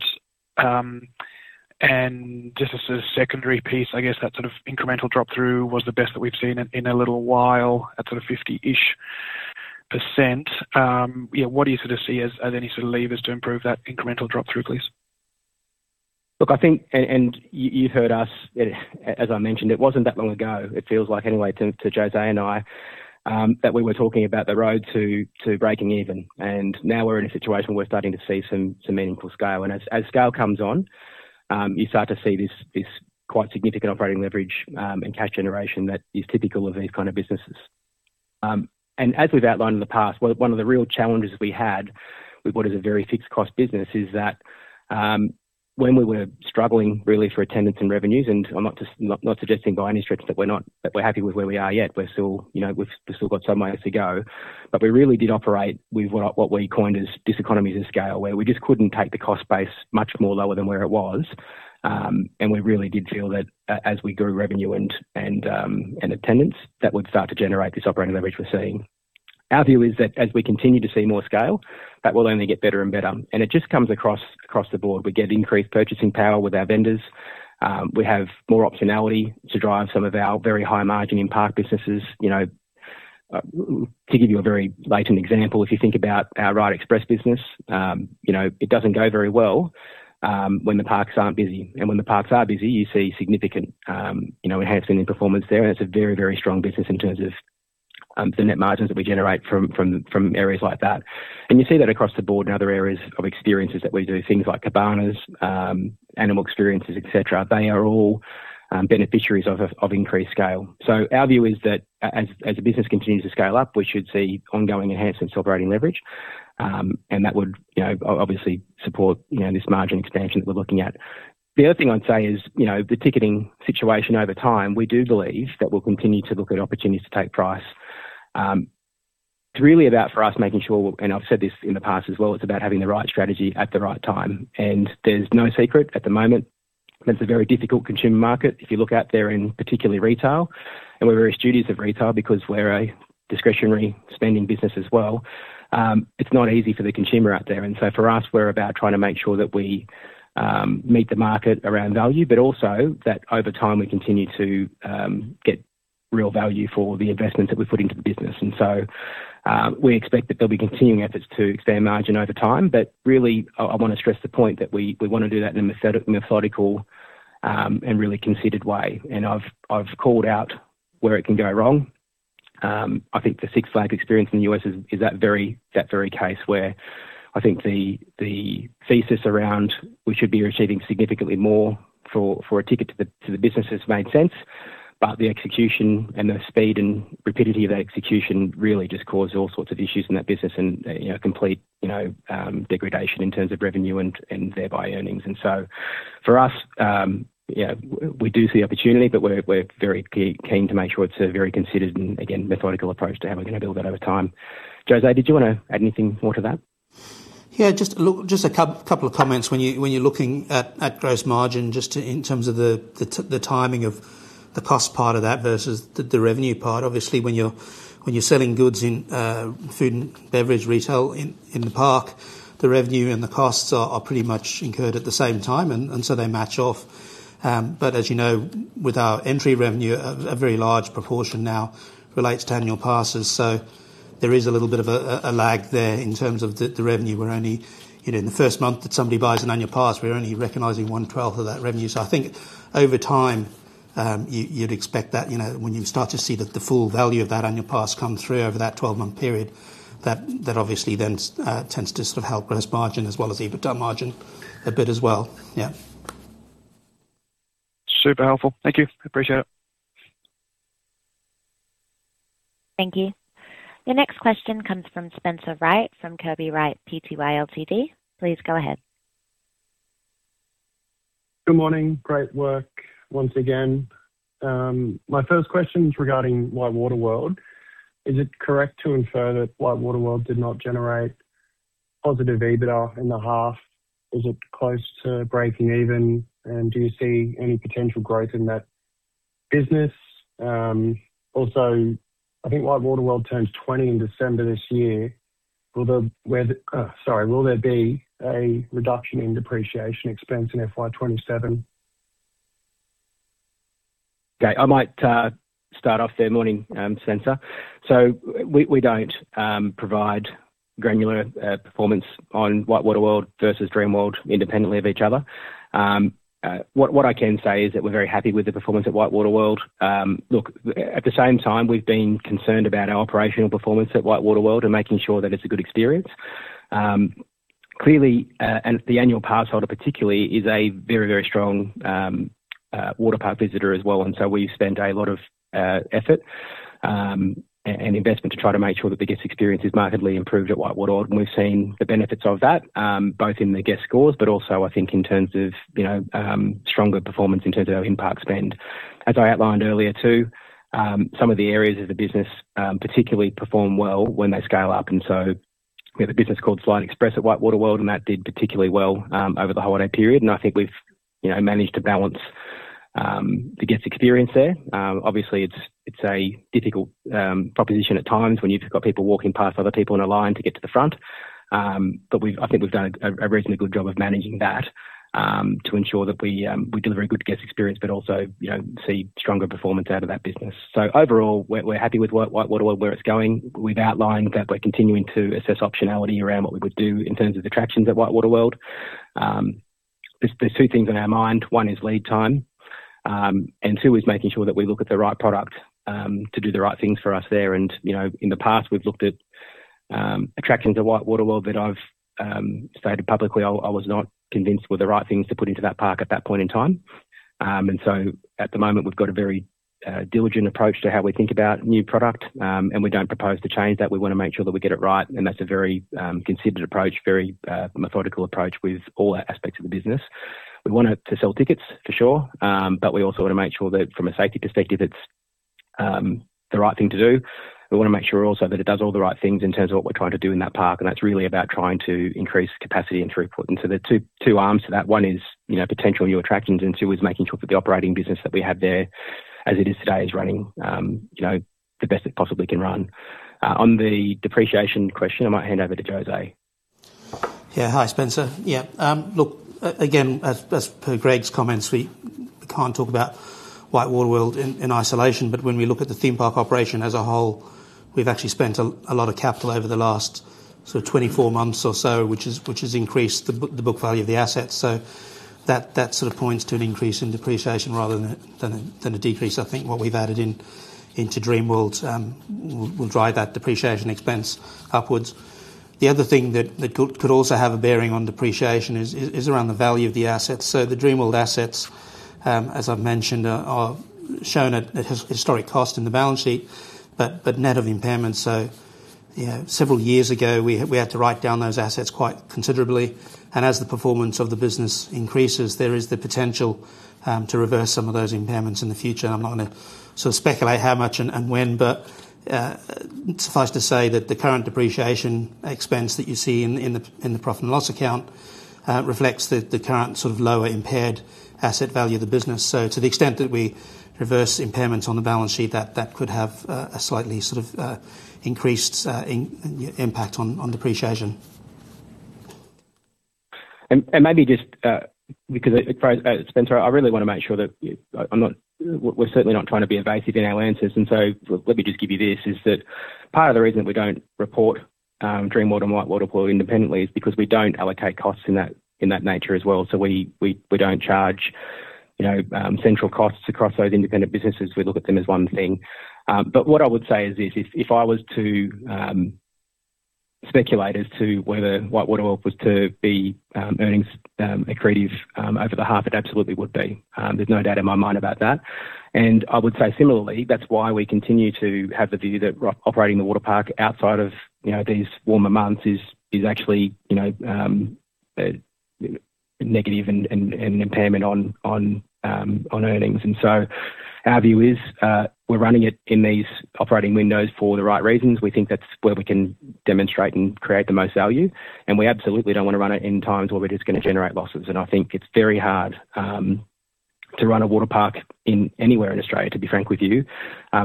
And just as a secondary piece, I guess that sort of incremental drop-through was the best that we've seen in a little while, at sort of 50-ish%. Yeah, what do you sort of see as any sort of levers to improve that incremental drop-through, please? Look, I think, and you heard us, as I mentioned, it wasn't that long ago, it feels like, anyway, to Jose and I, that we were talking about the road to breaking even, and now we're in a situation where we're starting to see some meaningful scale. And as scale comes on, you start to see this quite significant operating leverage, and cash generation that is typical of these kind of businesses. And as we've outlined in the past, one of the real challenges we had with what is a very fixed cost business is that, when we were struggling, really, for attendance and revenues, and I'm not just not suggesting by any stretch that we're happy with where we are yet. We're still, you know, we've still got some ways to go. But we really did operate with what we coined as diseconomies of scale, where we just couldn't take the cost base much more lower than where it was. And we really did feel that as we grew revenue and attendance, that would start to generate this operating leverage we're seeing. Our view is that as we continue to see more scale, that will only get better and better. And it just comes across the board. We get increased purchasing power with our vendors. We have more optionality to drive some of our very high margin in park businesses. You know, to give you a very salient example, if you think about our Ride Express business, you know, it doesn't go very well when the parks aren't busy. When the parks are busy, you see significant, you know, enhancement in performance there, and it's a very, very strong business in terms of the net margins that we generate from areas like that. You see that across the board in other areas of experiences that we do, things like cabanas, animal experiences, et cetera. They are all beneficiaries of increased scale. So our view is that as the business continues to scale up, we should see ongoing enhancements to operating leverage. And that would, you know, obviously support, you know, this margin expansion that we're looking at. The other thing I'd say is, you know, the ticketing situation over time, we do believe that we'll continue to look at opportunities to take price. It's really about, for us, making sure, and I've said this in the past as well, it's about having the right strategy at the right time. And there's no secret at the moment, that it's a very difficult consumer market. If you look out there particularly in retail, and we're very studious of retail because we're a discretionary spending business as well, it's not easy for the consumer out there. And so for us, we're about trying to make sure that we meet the market around value, but also that over time, we continue to get real value for the investment that we put into the business. And so we expect that there'll be continuing efforts to expand margin over time. But really, I wanna stress the point that we wanna do that in a methodical and really considered way. And I've called out where it can go wrong. I think the Six Flags experience in the U.S. is that very case where I think the thesis around we should be receiving significantly more for a ticket to the business has made sense, but the execution and the speed and rapidity of that execution really just caused all sorts of issues in that business and, you know, complete degradation in terms of revenue and thereby earnings. And so for us, yeah, we do see opportunity, but we're very keen to make sure it's a very considered and again, methodical approach to how we're gonna build that over time. Jose, did you wanna add anything more to that? Yeah, just look, just a couple of comments when you, when you're looking at gross margin, just to in terms of the timing of the cost part of that versus the revenue part. Obviously, when you're selling goods in food and beverage retail in the park, the revenue and the costs are pretty much incurred at the same time, and so they match off. But as you know, with our entry revenue, a very large proportion now relates to annual passes, so there is a little bit of a lag there in terms of the revenue. You know, in the first month that somebody buys an annual pass, we're only recognizing one twelfth of that revenue. So I think over time, you'd expect that, you know, when you start to see the full value of that annual pass come through over that 12-month period, that obviously then tends to sort of help gross margin as well as EBITDA margin a bit as well. Yeah. Super helpful. Thank you. Appreciate it. Thank you. The next question comes from Spencer Wright, from Kirby Wright Pty Ltd. Please go ahead. Good morning. Great work once again. My first question is regarding WhiteWater World. Is it correct to infer that WhiteWater World did not generate positive EBITDA in the half? Was it close to breaking even, and do you see any potential growth in that business? Also, I think WhiteWater World turns 20 in December this year. Will there be a reduction in depreciation expense in FY 2027? Okay, I might start off there. Morning, Spencer. So we don't provide granular performance on WhiteWater World versus Dreamworld independently of each other. What I can say is that we're very happy with the performance at WhiteWater World. Look, at the same time, we've been concerned about our operational performance at WhiteWater World and making sure that it's a good experience. Clearly, and the annual pass holder particularly, is a very, very strong waterpark visitor as well, and so we've spent a lot of effort and investment to try to make sure the guest experience is markedly improved at WhiteWater, and we've seen the benefits of that, both in the guest scores, but also, I think, in terms of, you know, stronger performance in terms of in-park spend. As I outlined earlier, too, some of the areas of the business, particularly perform well when they scale up, and so we have a business called Slide Express at WhiteWater World, and that did particularly well over the holiday period, and I think we've, you know, managed to balance the guest experience there. Obviously, it's a difficult proposition at times when you've got people walking past other people in a line to get to the front. But we've, I think we've done a reasonably good job of managing that to ensure that we deliver a good guest experience, but also, you know, see stronger performance out of that business. So overall, we're happy with WhiteWater World, where it's going. We've outlined that we're continuing to assess optionality around what we would do in terms of attractions at WhiteWater World. There's two things on our mind: One is lead time, and two is making sure that we look at the right product to do the right things for us there. And, you know, in the past, we've looked at attractions at WhiteWater World that I've stated publicly I was not convinced were the right things to put into that park at that point in time. And so at the moment, we've got a very diligent approach to how we think about new product, and we don't propose to change that. We wanna make sure that we get it right, and that's a very considered approach, very methodical approach with all aspects of the business. We want to sell tickets, for sure, but we also wanna make sure that from a safety perspective, it's the right thing to do. We wanna make sure also that it does all the right things in terms of what we're trying to do in that park, and that's really about trying to increase capacity and throughput. And so there are two arms to that. One is, you know, potential new attractions, and two is making sure that the operating business that we have there, as it is today, is running, you know, the best it possibly can run. On the depreciation question, I might hand over to Jose. Yeah. Hi, Spencer. Yeah, look, again, as per Greg's comments, we can't talk about WhiteWater World in isolation, but when we look at the theme park operation as a whole, we've actually spent a lot of capital over the last 24 months or so, which has increased the book value of the assets. So that sort of points to an increase in depreciation rather than a decrease. I think what we've added into Dreamworld will drive that depreciation expense upwards. The other thing that could also have a bearing on depreciation is around the value of the assets. So the Dreamworld assets, as I've mentioned, are shown at historic cost in the balance sheet, but net of impairment. So, you know, several years ago, we had to write down those assets quite considerably, and as the performance of the business increases, there is the potential to reverse some of those impairments in the future. I'm not going to sort of speculate how much and when, but suffice to say that the current depreciation expense that you see in the profit and loss account reflects the current sort of lower impaired asset value of the business. So to the extent that we reverse impairments on the balance sheet, that could have a slightly sort of increased impact on depreciation. Maybe just, because, Spencer, I really want to make sure that I'm not—we're certainly not trying to be evasive in our answers, and so let me just give you this, is that part of the reason we don't report Dreamworld and WhiteWater World independently is because we don't allocate costs in that, in that nature as well. So we, we, we don't charge, you know, central costs across those independent businesses. We look at them as one thing. But what I would say is this, if I was to speculate as to whether WhiteWater World was to be earnings accretive over the half, it absolutely would be. There's no doubt in my mind about that. And I would say similarly, that's why we continue to have the view that operating the water park outside of, you know, these warmer months is actually, you know, a negative and impairment on earnings. And so our view is, we're running it in these operating windows for the right reasons. We think that's where we can demonstrate and create the most value, and we absolutely don't want to run it in times where we're just going to generate losses. And I think it's very hard to run a water park anywhere in Australia, to be frank with you,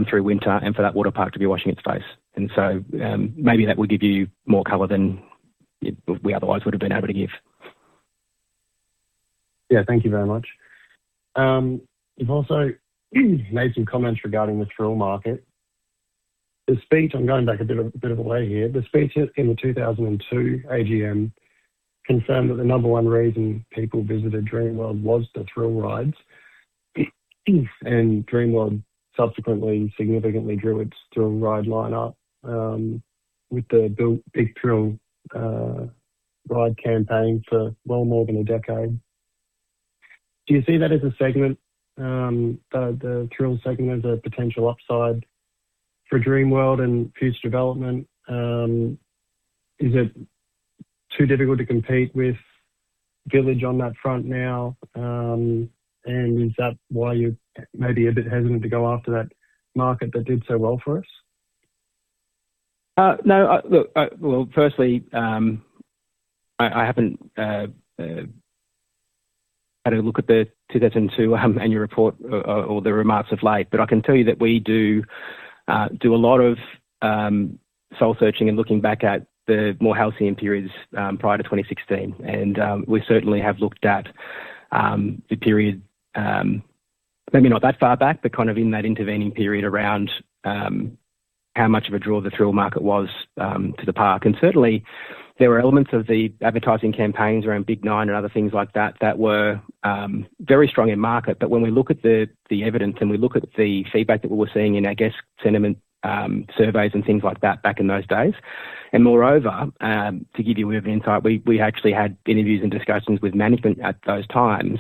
through winter, and for that water park to be washing its face. And so, maybe that will give you more color than we otherwise would have been able to give. Yeah, thank you very much. You've also made some comments regarding the thrill market. The speech - I'm going back a bit of a way here. The speech in the 2002 AGM concerned that the number one reason people visited Dreamworld was the thrill rides, and Dreamworld subsequently significantly grew its thrill ride lineup with the billed Big Thrill ride campaign for well more than a decade. Do you see that as a segment, the thrill segment, as a potential upside for Dreamworld and future development? Is it too difficult to compete with Village on that front now? And is that why you're maybe a bit hesitant to go after that market that did so well for us? No, I. Look, well, firstly, I, I haven't had a look at the 2002 annual report or the remarks of late, but I can tell you that we do do a lot of soul-searching and looking back at the more halcyon periods prior to 2016. And we certainly have looked at the period maybe not that far back, but kind of in that intervening period around how much of a draw the thrill market was to the park. And certainly, there were elements of the advertising campaigns around Big Nine and other things like that, that were very strong in market. But when we look at the evidence and we look at the feedback that we were seeing in our guest sentiment, surveys and things like that back in those days, and moreover, to give you a bit of insight, we actually had interviews and discussions with management at those times.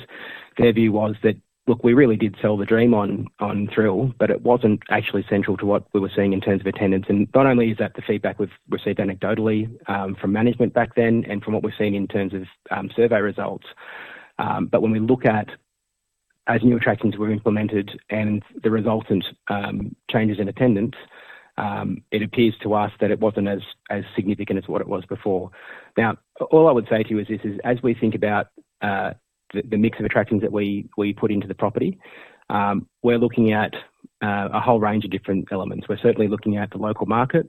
Their view was that, "Look, we really did sell the dream on, on thrill, but it wasn't actually central to what we were seeing in terms of attendance." And not only is that the feedback we've received anecdotally, from management back then and from what we've seen in terms of, survey results, but when we look at as new attractions were implemented and the resultant, changes in attendance, it appears to us that it wasn't as, as significant as what it was before. Now, all I would say to you is this, as we think about the mix of attractions that we put into the property, we're looking at a whole range of different elements. We're certainly looking at the local market.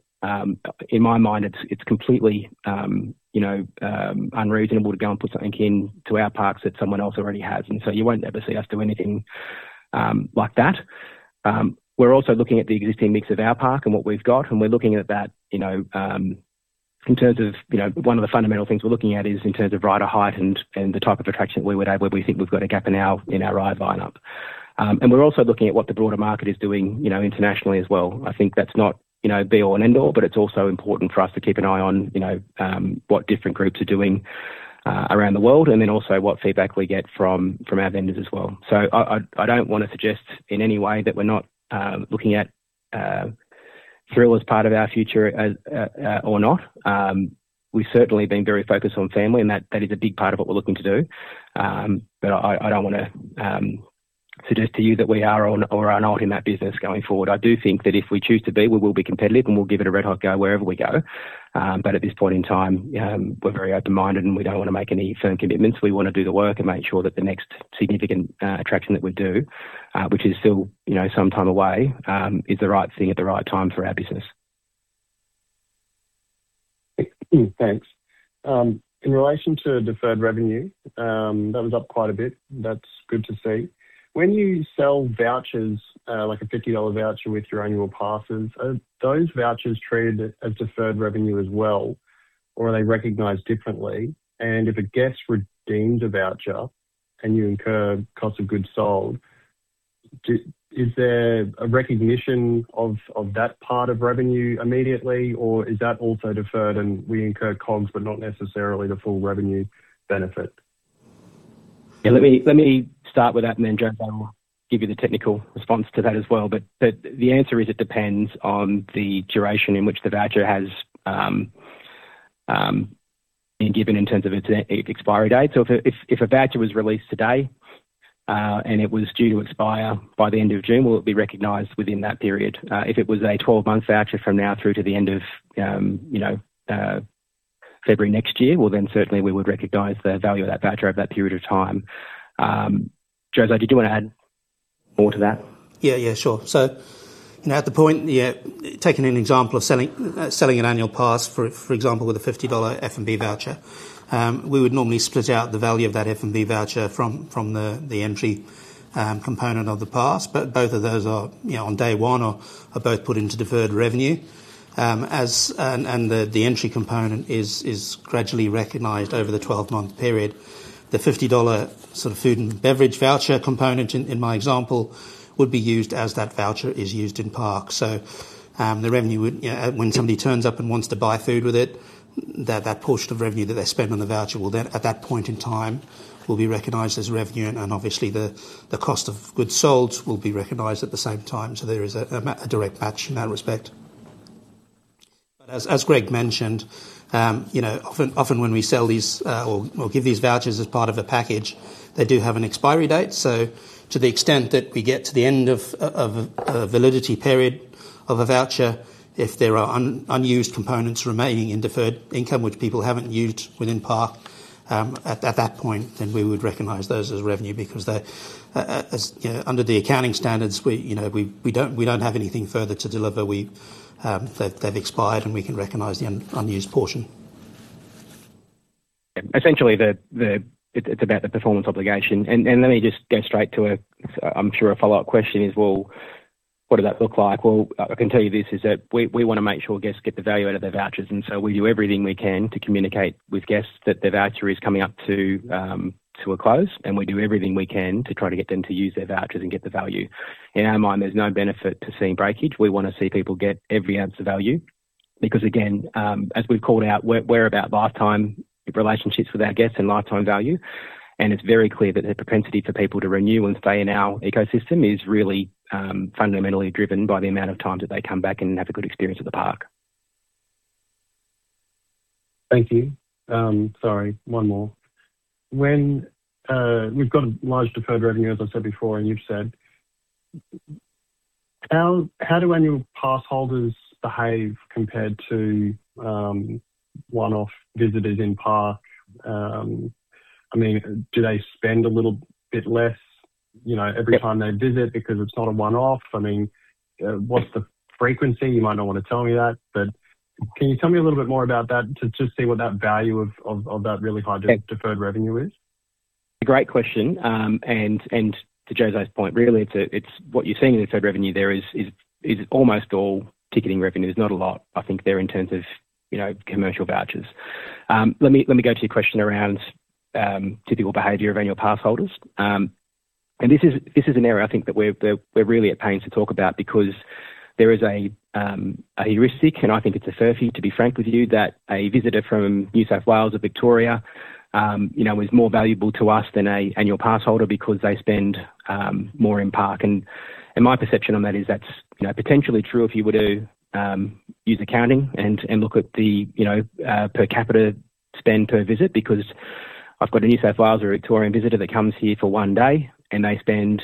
In my mind, it's completely, you know, unreasonable to go and put something into our parks that someone else already has, and so you won't ever see us do anything like that. We're also looking at the existing mix of our park and what we've got, and we're looking at that, you know, in terms of, you know, one of the fundamental things we're looking at is in terms of rider height and the type of attraction we would have, where we think we've got a gap in our ride line up. And we're also looking at what the broader market is doing, you know, internationally as well. I think that's not, you know, be all and end all, but it's also important for us to keep an eye on, you know, what different groups are doing around the world, and then also what feedback we get from our vendors as well. So I don't want to suggest in any way that we're not looking at thrill as part of our future, or not. We've certainly been very focused on family, and that is a big part of what we're looking to do. But I don't want to suggest to you that we are or are not in that business going forward. I do think that if we choose to be, we will be competitive, and we'll give it a red-hot go wherever we go. But at this point in time, we're very open-minded, and we don't want to make any firm commitments. We want to do the work and make sure that the next significant attraction that we do, which is still, you know, some time away, is the right thing at the right time for our business. Thanks. In relation to deferred revenue, that was up quite a bit. That's good to see. When you sell vouchers, like a 50 dollar voucher with your annual passes, are those vouchers treated as deferred revenue as well, or are they recognized differently? And if a guest redeems a voucher and you incur cost of goods sold, is there a recognition of that part of revenue immediately, or is that also deferred and we incur costs, but not necessarily the full revenue benefit? Yeah, let me start with that, and then, Jose, I'll give you the technical response to that as well. But the answer is, it depends on the duration in which the voucher has been given in terms of its expiry date. So if a voucher was released today, and it was due to expire by the end of June, will it be recognized within that period? If it was a 12-month voucher from now through to the end of, you know, February next year, well, then certainly we would recognize the value of that voucher over that period of time. Jose, did you want to add more to that? Yeah, yeah, sure. So, you know, at the point, yeah, taking an example of selling an annual pass, for, for example, with a 50 dollar F&B voucher, we would normally split out the value of that F&B voucher from, from the, the entry component of the pass. But both of those are, you know, on day one, are, are both put into deferred revenue. As, and, and the, the entry component is, is gradually recognized over the 12-month period. The 50 dollar food and beverage voucher component in, in my example, would be used as that voucher is used in parks. So, the revenue would, when somebody turns up and wants to buy food with it, that portion of revenue that they spend on the voucher will then, at that point in time, be recognized as revenue, and obviously, the cost of goods sold will be recognized at the same time. So there is a direct match in that respect. But as Greg mentioned, you know, often when we sell these, or give these vouchers as part of a package, they do have an expiry date. So to the extent that we get to the end of a validity period of a voucher, if there are unused components remaining in deferred income, which people haven't used within park, at that point, then we would recognize those as revenue because they, as you know, under the accounting standards, you know, we don't have anything further to deliver. We. They've expired, and we can recognize the unused portion. Essentially, it's about the performance obligation. And let me just go straight to a, I'm sure a follow-up question is, well, what does that look like? Well, I can tell you this, is that we wanna make sure guests get the value out of their vouchers, and so we do everything we can to communicate with guests that their voucher is coming up to a close, and we do everything we can to try to get them to use their vouchers and get the value. In our mind, there's no benefit to seeing breakage. We wanna see people get every ounce of value because, again, as we've called out, we're about lifetime relationships with our guests and lifetime value, and it's very clear that the propensity for people to renew and stay in our ecosystem is really fundamentally driven by the amount of time that they come back and have a good experience at the park. Thank you. Sorry, one more. When we've got a large deferred revenue, as I said before, and you've said, how do annual pass holders behave compared to one-off visitors in park? I mean, do they spend a little bit less, you know, every time they visit, because it's not a one-off? I mean, what's the frequency? You might not want to tell me that, but can you tell me a little bit more about that to see what that value of that really high deferred revenue is? Great question. And to Jose's point, really, it's what you're seeing in Deferred Revenue there is almost all ticketing revenues, not a lot, I think, there in terms of, you know, commercial vouchers. Let me go to your question around typical behavior of annual pass holders. And this is an area I think that we're really at pains to talk about because there is a heuristic, and I think it's a fallacy, to be frank with you, that a visitor from New South Wales or Victoria, you know, is more valuable to us than an annual pass holder because they spend more in park. My perception on that is that's, you know, potentially true if you were to use accounting and look at the, you know, per capita spend per visit, because I've got a New South Wales or Victorian visitor that comes here for one day, and they spend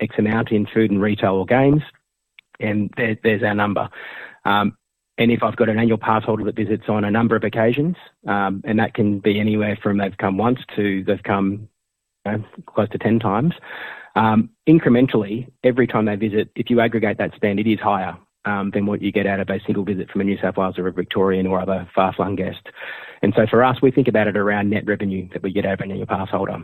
X amount in food and retail or games, and there's our number. And if I've got an annual pass holder that visits on a number of occasions, and that can be anywhere from they've come once to they've come close to 10 times, incrementally, every time they visit, if you aggregate that spend, it is higher than what you get out of a single visit from a New South Wales or a Victorian or other far-flung guest. For us, we think about it around net revenue that we get out of an annual pass holder.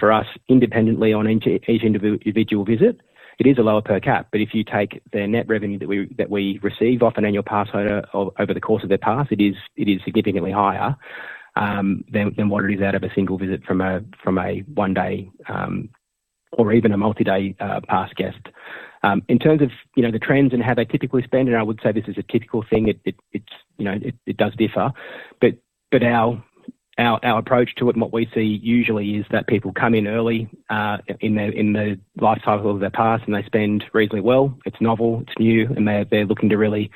For us, independently on each individual visit, it is a lower per cap, but if you take the net revenue that we receive off an annual pass holder over the course of their pass, it is significantly higher than what it is out of a single visit from a one-day or even a multi-day pass guest. In terms of, you know, the trends and how they typically spend, and I would say this is a typical thing, you know, it does differ, but our approach to it and what we see usually is that people come in early in the life cycle of their pass, and they spend reasonably well. It's novel, it's new, and they're looking to really,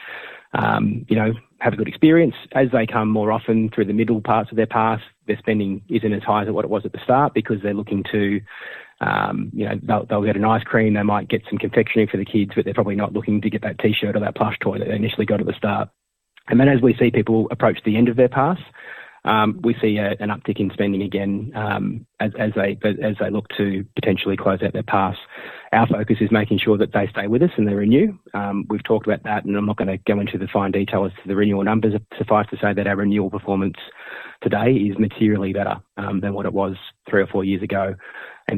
you know, have a good experience. As they come more often through the middle parts of their pass, their spending isn't as high as what it was at the start because they're looking to, you know, they'll get an ice cream, they might get some confectionery for the kids, but they're probably not looking to get that T-shirt or that plush toy that they initially got at the start. Then, as we see people approach the end of their pass, we see an uptick in spending again, as they look to potentially close out their pass. Our focus is making sure that they stay with us and they renew. We've talked about that, and I'm not going to go into the fine detail as to the renewal numbers. Suffice to say that our renewal performance today is materially better than what it was three or four years ago.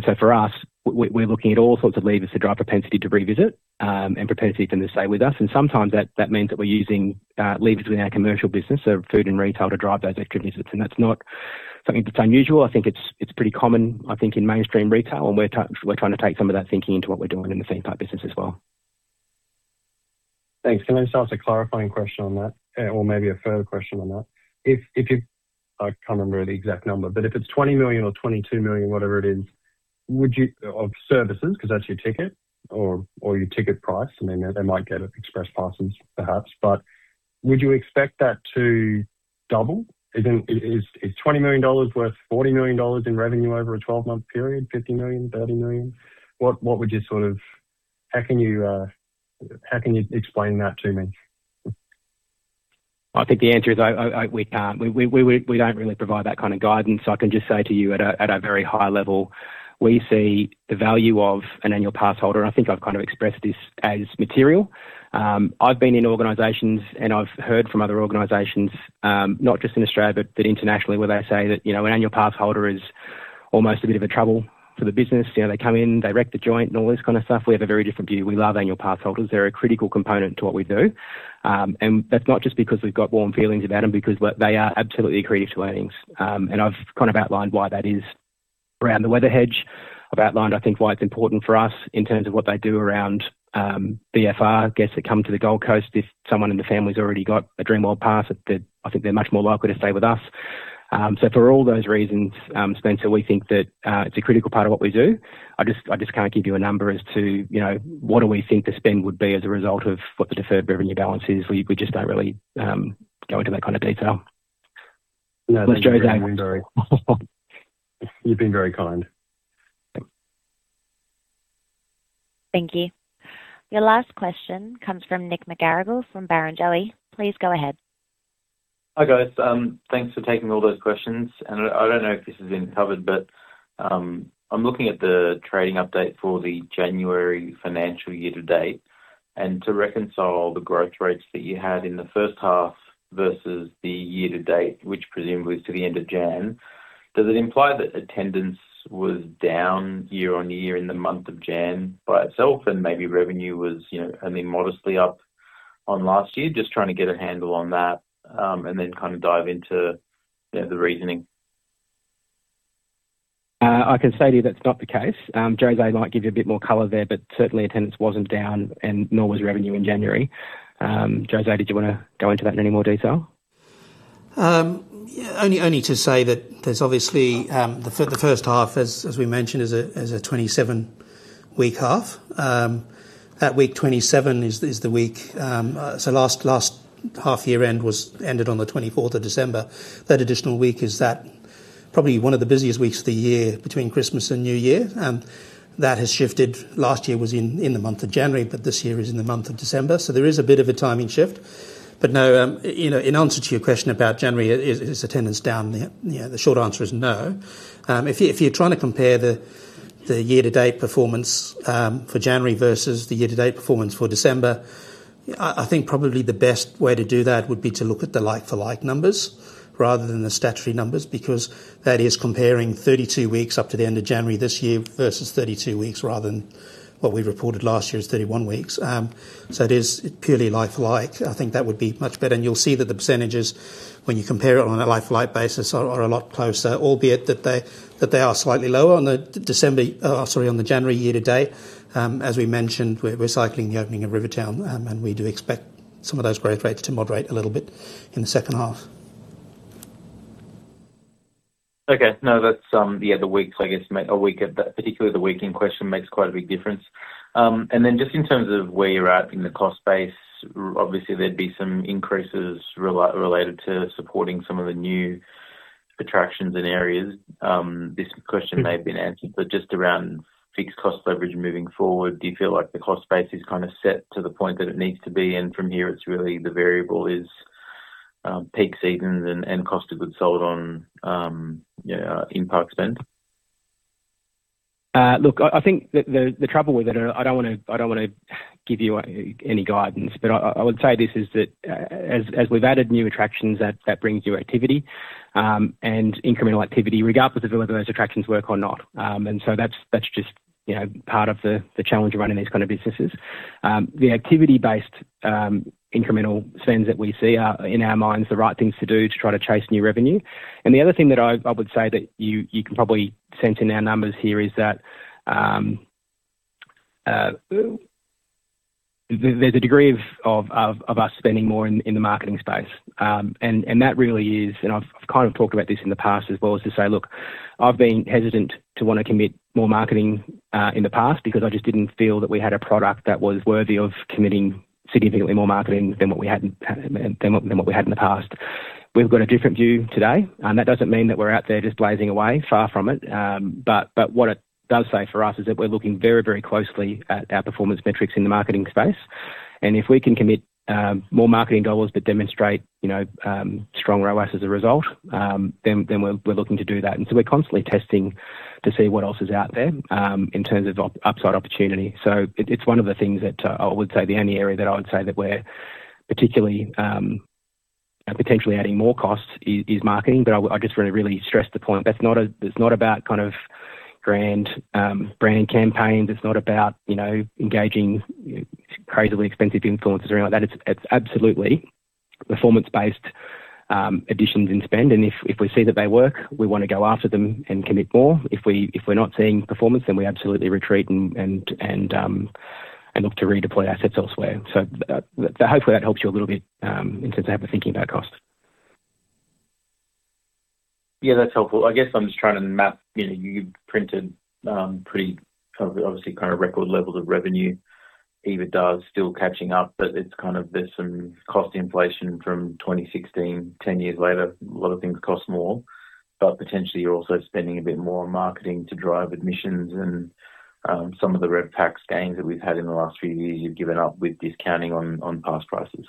So for us, we're looking at all sorts of levers to drive propensity to revisit and propensity for them to stay with us. And sometimes that means that we're using levers within our commercial business, so food and retail, to drive those extra visits. And that's not something that's unusual. I think it's pretty common, I think, in mainstream retail, and we're trying to take some of that thinking into what we're doing in the theme park business as well. Thanks. Can I just ask a clarifying question on that, or maybe a further question on that? If, if you—I can't remember the exact number, but if it's 20 million or 22 million, whatever it is, would you—of services, 'cause that's your ticket or, or your ticket price, I mean, they might get express passes, perhaps, but would you expect that to double? Is it, is, is 20 million dollars worth 40 million dollars in revenue over a 12-month period, 50 million, 30 million? What, what would you sort of. How can you, how can you explain that to me? I think the answer is, we can't, we don't really provide that kind of guidance. I can just say to you at a very high level, we see the value of an annual pass holder, and I think I've kind of expressed this as material. I've been in organizations, and I've heard from other organizations, not just in Australia, but internationally, where they say that, you know, an annual pass holder is almost a bit of a trouble for the business. You know, they come in, they wreck the joint and all this kind of stuff. We have a very different view. We love annual pass holders. They're a critical component to what we do. And that's not just because we've got warm feelings about them, because they are absolutely accretive to earnings. And I've kind of outlined why that is. Around the weather hedge, I've outlined, I think, why it's important for us in terms of what they do around VFR guests that come to the Gold Coast. If someone in the family's already got a Dreamworld pass, that, I think they're much more likely to stay with us. So for all those reasons, Spencer, we think that it's a critical part of what we do. I just, I just can't give you a number as to, you know, what do we think the spend would be as a result of what the deferred revenue balance is. We, we just don't really go into that kind of detail. No, you've been very kind. Thank you. Your last question comes from Nick McGarrigle, from Barrenjoey. Please go ahead. Hi, guys. Thanks for taking all those questions, and I, I don't know if this has been covered, but, I'm looking at the trading update for the January financial year to date, and to reconcile the growth rates that you had in the first half versus the year to date, which presumably is to the end of January, does it imply that attendance was down year-on-year in the month of January by itself, and maybe revenue was, you know, only modestly up on last year? Just trying to get a handle on that, and then kind of dive into, you know, the reasoning. I can say to you that's not the case. Jose might give you a bit more color there, but certainly attendance wasn't down, and nor was revenue in January. Jose, did you want to go into that in any more detail? Yeah, only to say that there's obviously the first half, as we mentioned, is a 27-week half. At week 27 is the week, so last half-year end was ended on the 24th of December. That additional week is probably one of the busiest weeks of the year between Christmas and New Year. That has shifted. Last year was in the month of January, but this year is in the month of December, so there is a bit of a timing shift. But no, you know, in answer to your question about January, is attendance down yet? You know, the short answer is no. If you, if you're trying to compare the year-to-date performance for January versus the year-to-date performance for December, I think probably the best way to do that would be to look at the like-for-like numbers rather than the statutory numbers, because that is comparing 32 weeks up to the end of January this year versus 32 weeks, rather than what we reported last year as 31 weeks. So it is purely like-for-like. I think that would be much better, and you'll see that the percentages, when you compare it on a like-for-like basis, are a lot closer, albeit that they are slightly lower on the December, sorry, on the January year to date. As we mentioned, we're cycling the opening of Rivertown, and we do expect some of those growth rates to moderate a little bit in the second half. Okay. No, that's, yeah, the weeks, I guess, make a week at that, particularly the week in question makes quite a big difference. And then just in terms of where you're at in the cost base, obviously there'd be some increases related to supporting some of the new attractions and areas. This question may have been answered, but just around fixed cost leverage moving forward, do you feel like the cost base is kind of set to the point that it needs to be, and from here it's really the variable is peak seasons and, and cost of goods sold on yeah, in park spend? Look, I think the trouble with it, I don't wanna give you any guidance, but I would say this, is that, as we've added new attractions, that brings new activity, and incremental activity, regardless of whether those attractions work or not. And so that's just, you know, part of the challenge of running these kind of businesses. The activity-based, incremental spends that we see are, in our minds, the right things to do to try to chase new revenue. And the other thing that I would say that you can probably sense in our numbers here is that, there's a degree of us spending more in the marketing space. that really is, and I kind of talked about this in the past as well, is to say, look, I've been hesitant to want to commit more marketing in the past because I just didn't feel that we had a product that was worthy of committing significantly more marketing than what we had in the past. We've got a different view today, and that doesn't mean that we're out there just blazing away. Far from it. But what it does say for us is that we're looking very, very closely at our performance metrics in the marketing space. And if we can commit more marketing dollars but demonstrate, you know, strong ROAS as a result, then we're looking to do that. And so we're constantly testing to see what else is out there, in terms of upside opportunity. So it's one of the things that I would say the only area that I would say that we're particularly potentially adding more costs is marketing. But I just wanna really stress the point. That's not a. It's not about kind of grand brand campaigns. It's not about, you know, engaging crazily expensive influencers or anything like that. It's absolutely performance-based additions in spend, and if we see that they work, we wanna go after them and commit more. If we're not seeing performance, then we absolutely retreat and look to redeploy assets elsewhere. So hopefully that helps you a little bit, in terms of how we're thinking about cost. Yeah, that's helpful. I guess I'm just trying to map, you know, you've printed pretty, obviously, kinda record levels of revenue. EBITDA is still catching up, but it's kind of, there's some cost inflation from 2016, 10 years later, a lot of things cost more. But potentially you're also spending a bit more on marketing to drive admissions and some of the RevPAX gains that we've had in the last few years, you've given up with discounting on pass prices.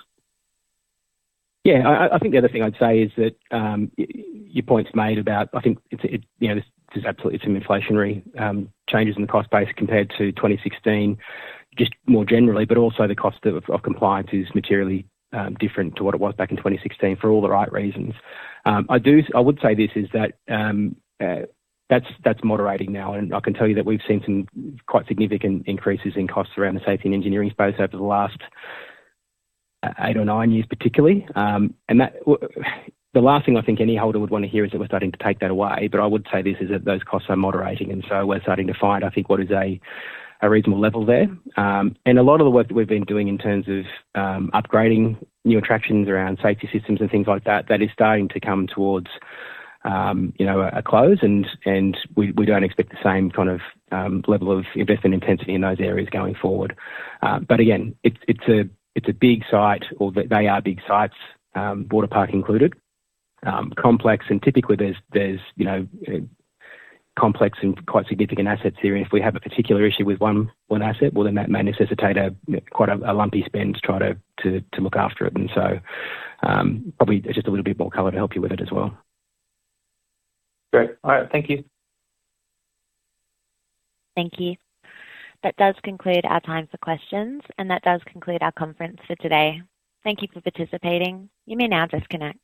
Yeah. I think the other thing I'd say is that, your point's made about... I think it's, you know, there's absolutely some inflationary changes in the cost base compared to 2016, just more generally, but also the cost of compliance is materially different to what it was back in 2016, for all the right reasons. I would say this, is that, that's moderating now, and I can tell you that we've seen some quite significant increases in costs around the safety and engineering space over the last eight or nine years, particularly. Well, the last thing I think any holder would want to hear is that we're starting to take that away, but I would say this is that those costs are moderating, and so we're starting to find, I think, what is a reasonable level there. And a lot of the work that we've been doing in terms of upgrading new attractions around safety systems and things like that, that is starting to come towards you know a close, and we don't expect the same kind of level of investment intensity in those areas going forward. But again, it's a big site or they are big sites, water park included, complex, and typically there's you know complex and quite significant assets here. And if we have a particular issue with one asset, well, then that may necessitate quite a lumpy spend to try to look after it. And so, probably just a little bit more color to help you with it as well. Great. All right. Thank you. Thank you. That does conclude our time for questions, and that does conclude our conference for today. Thank you for participating. You may now disconnect.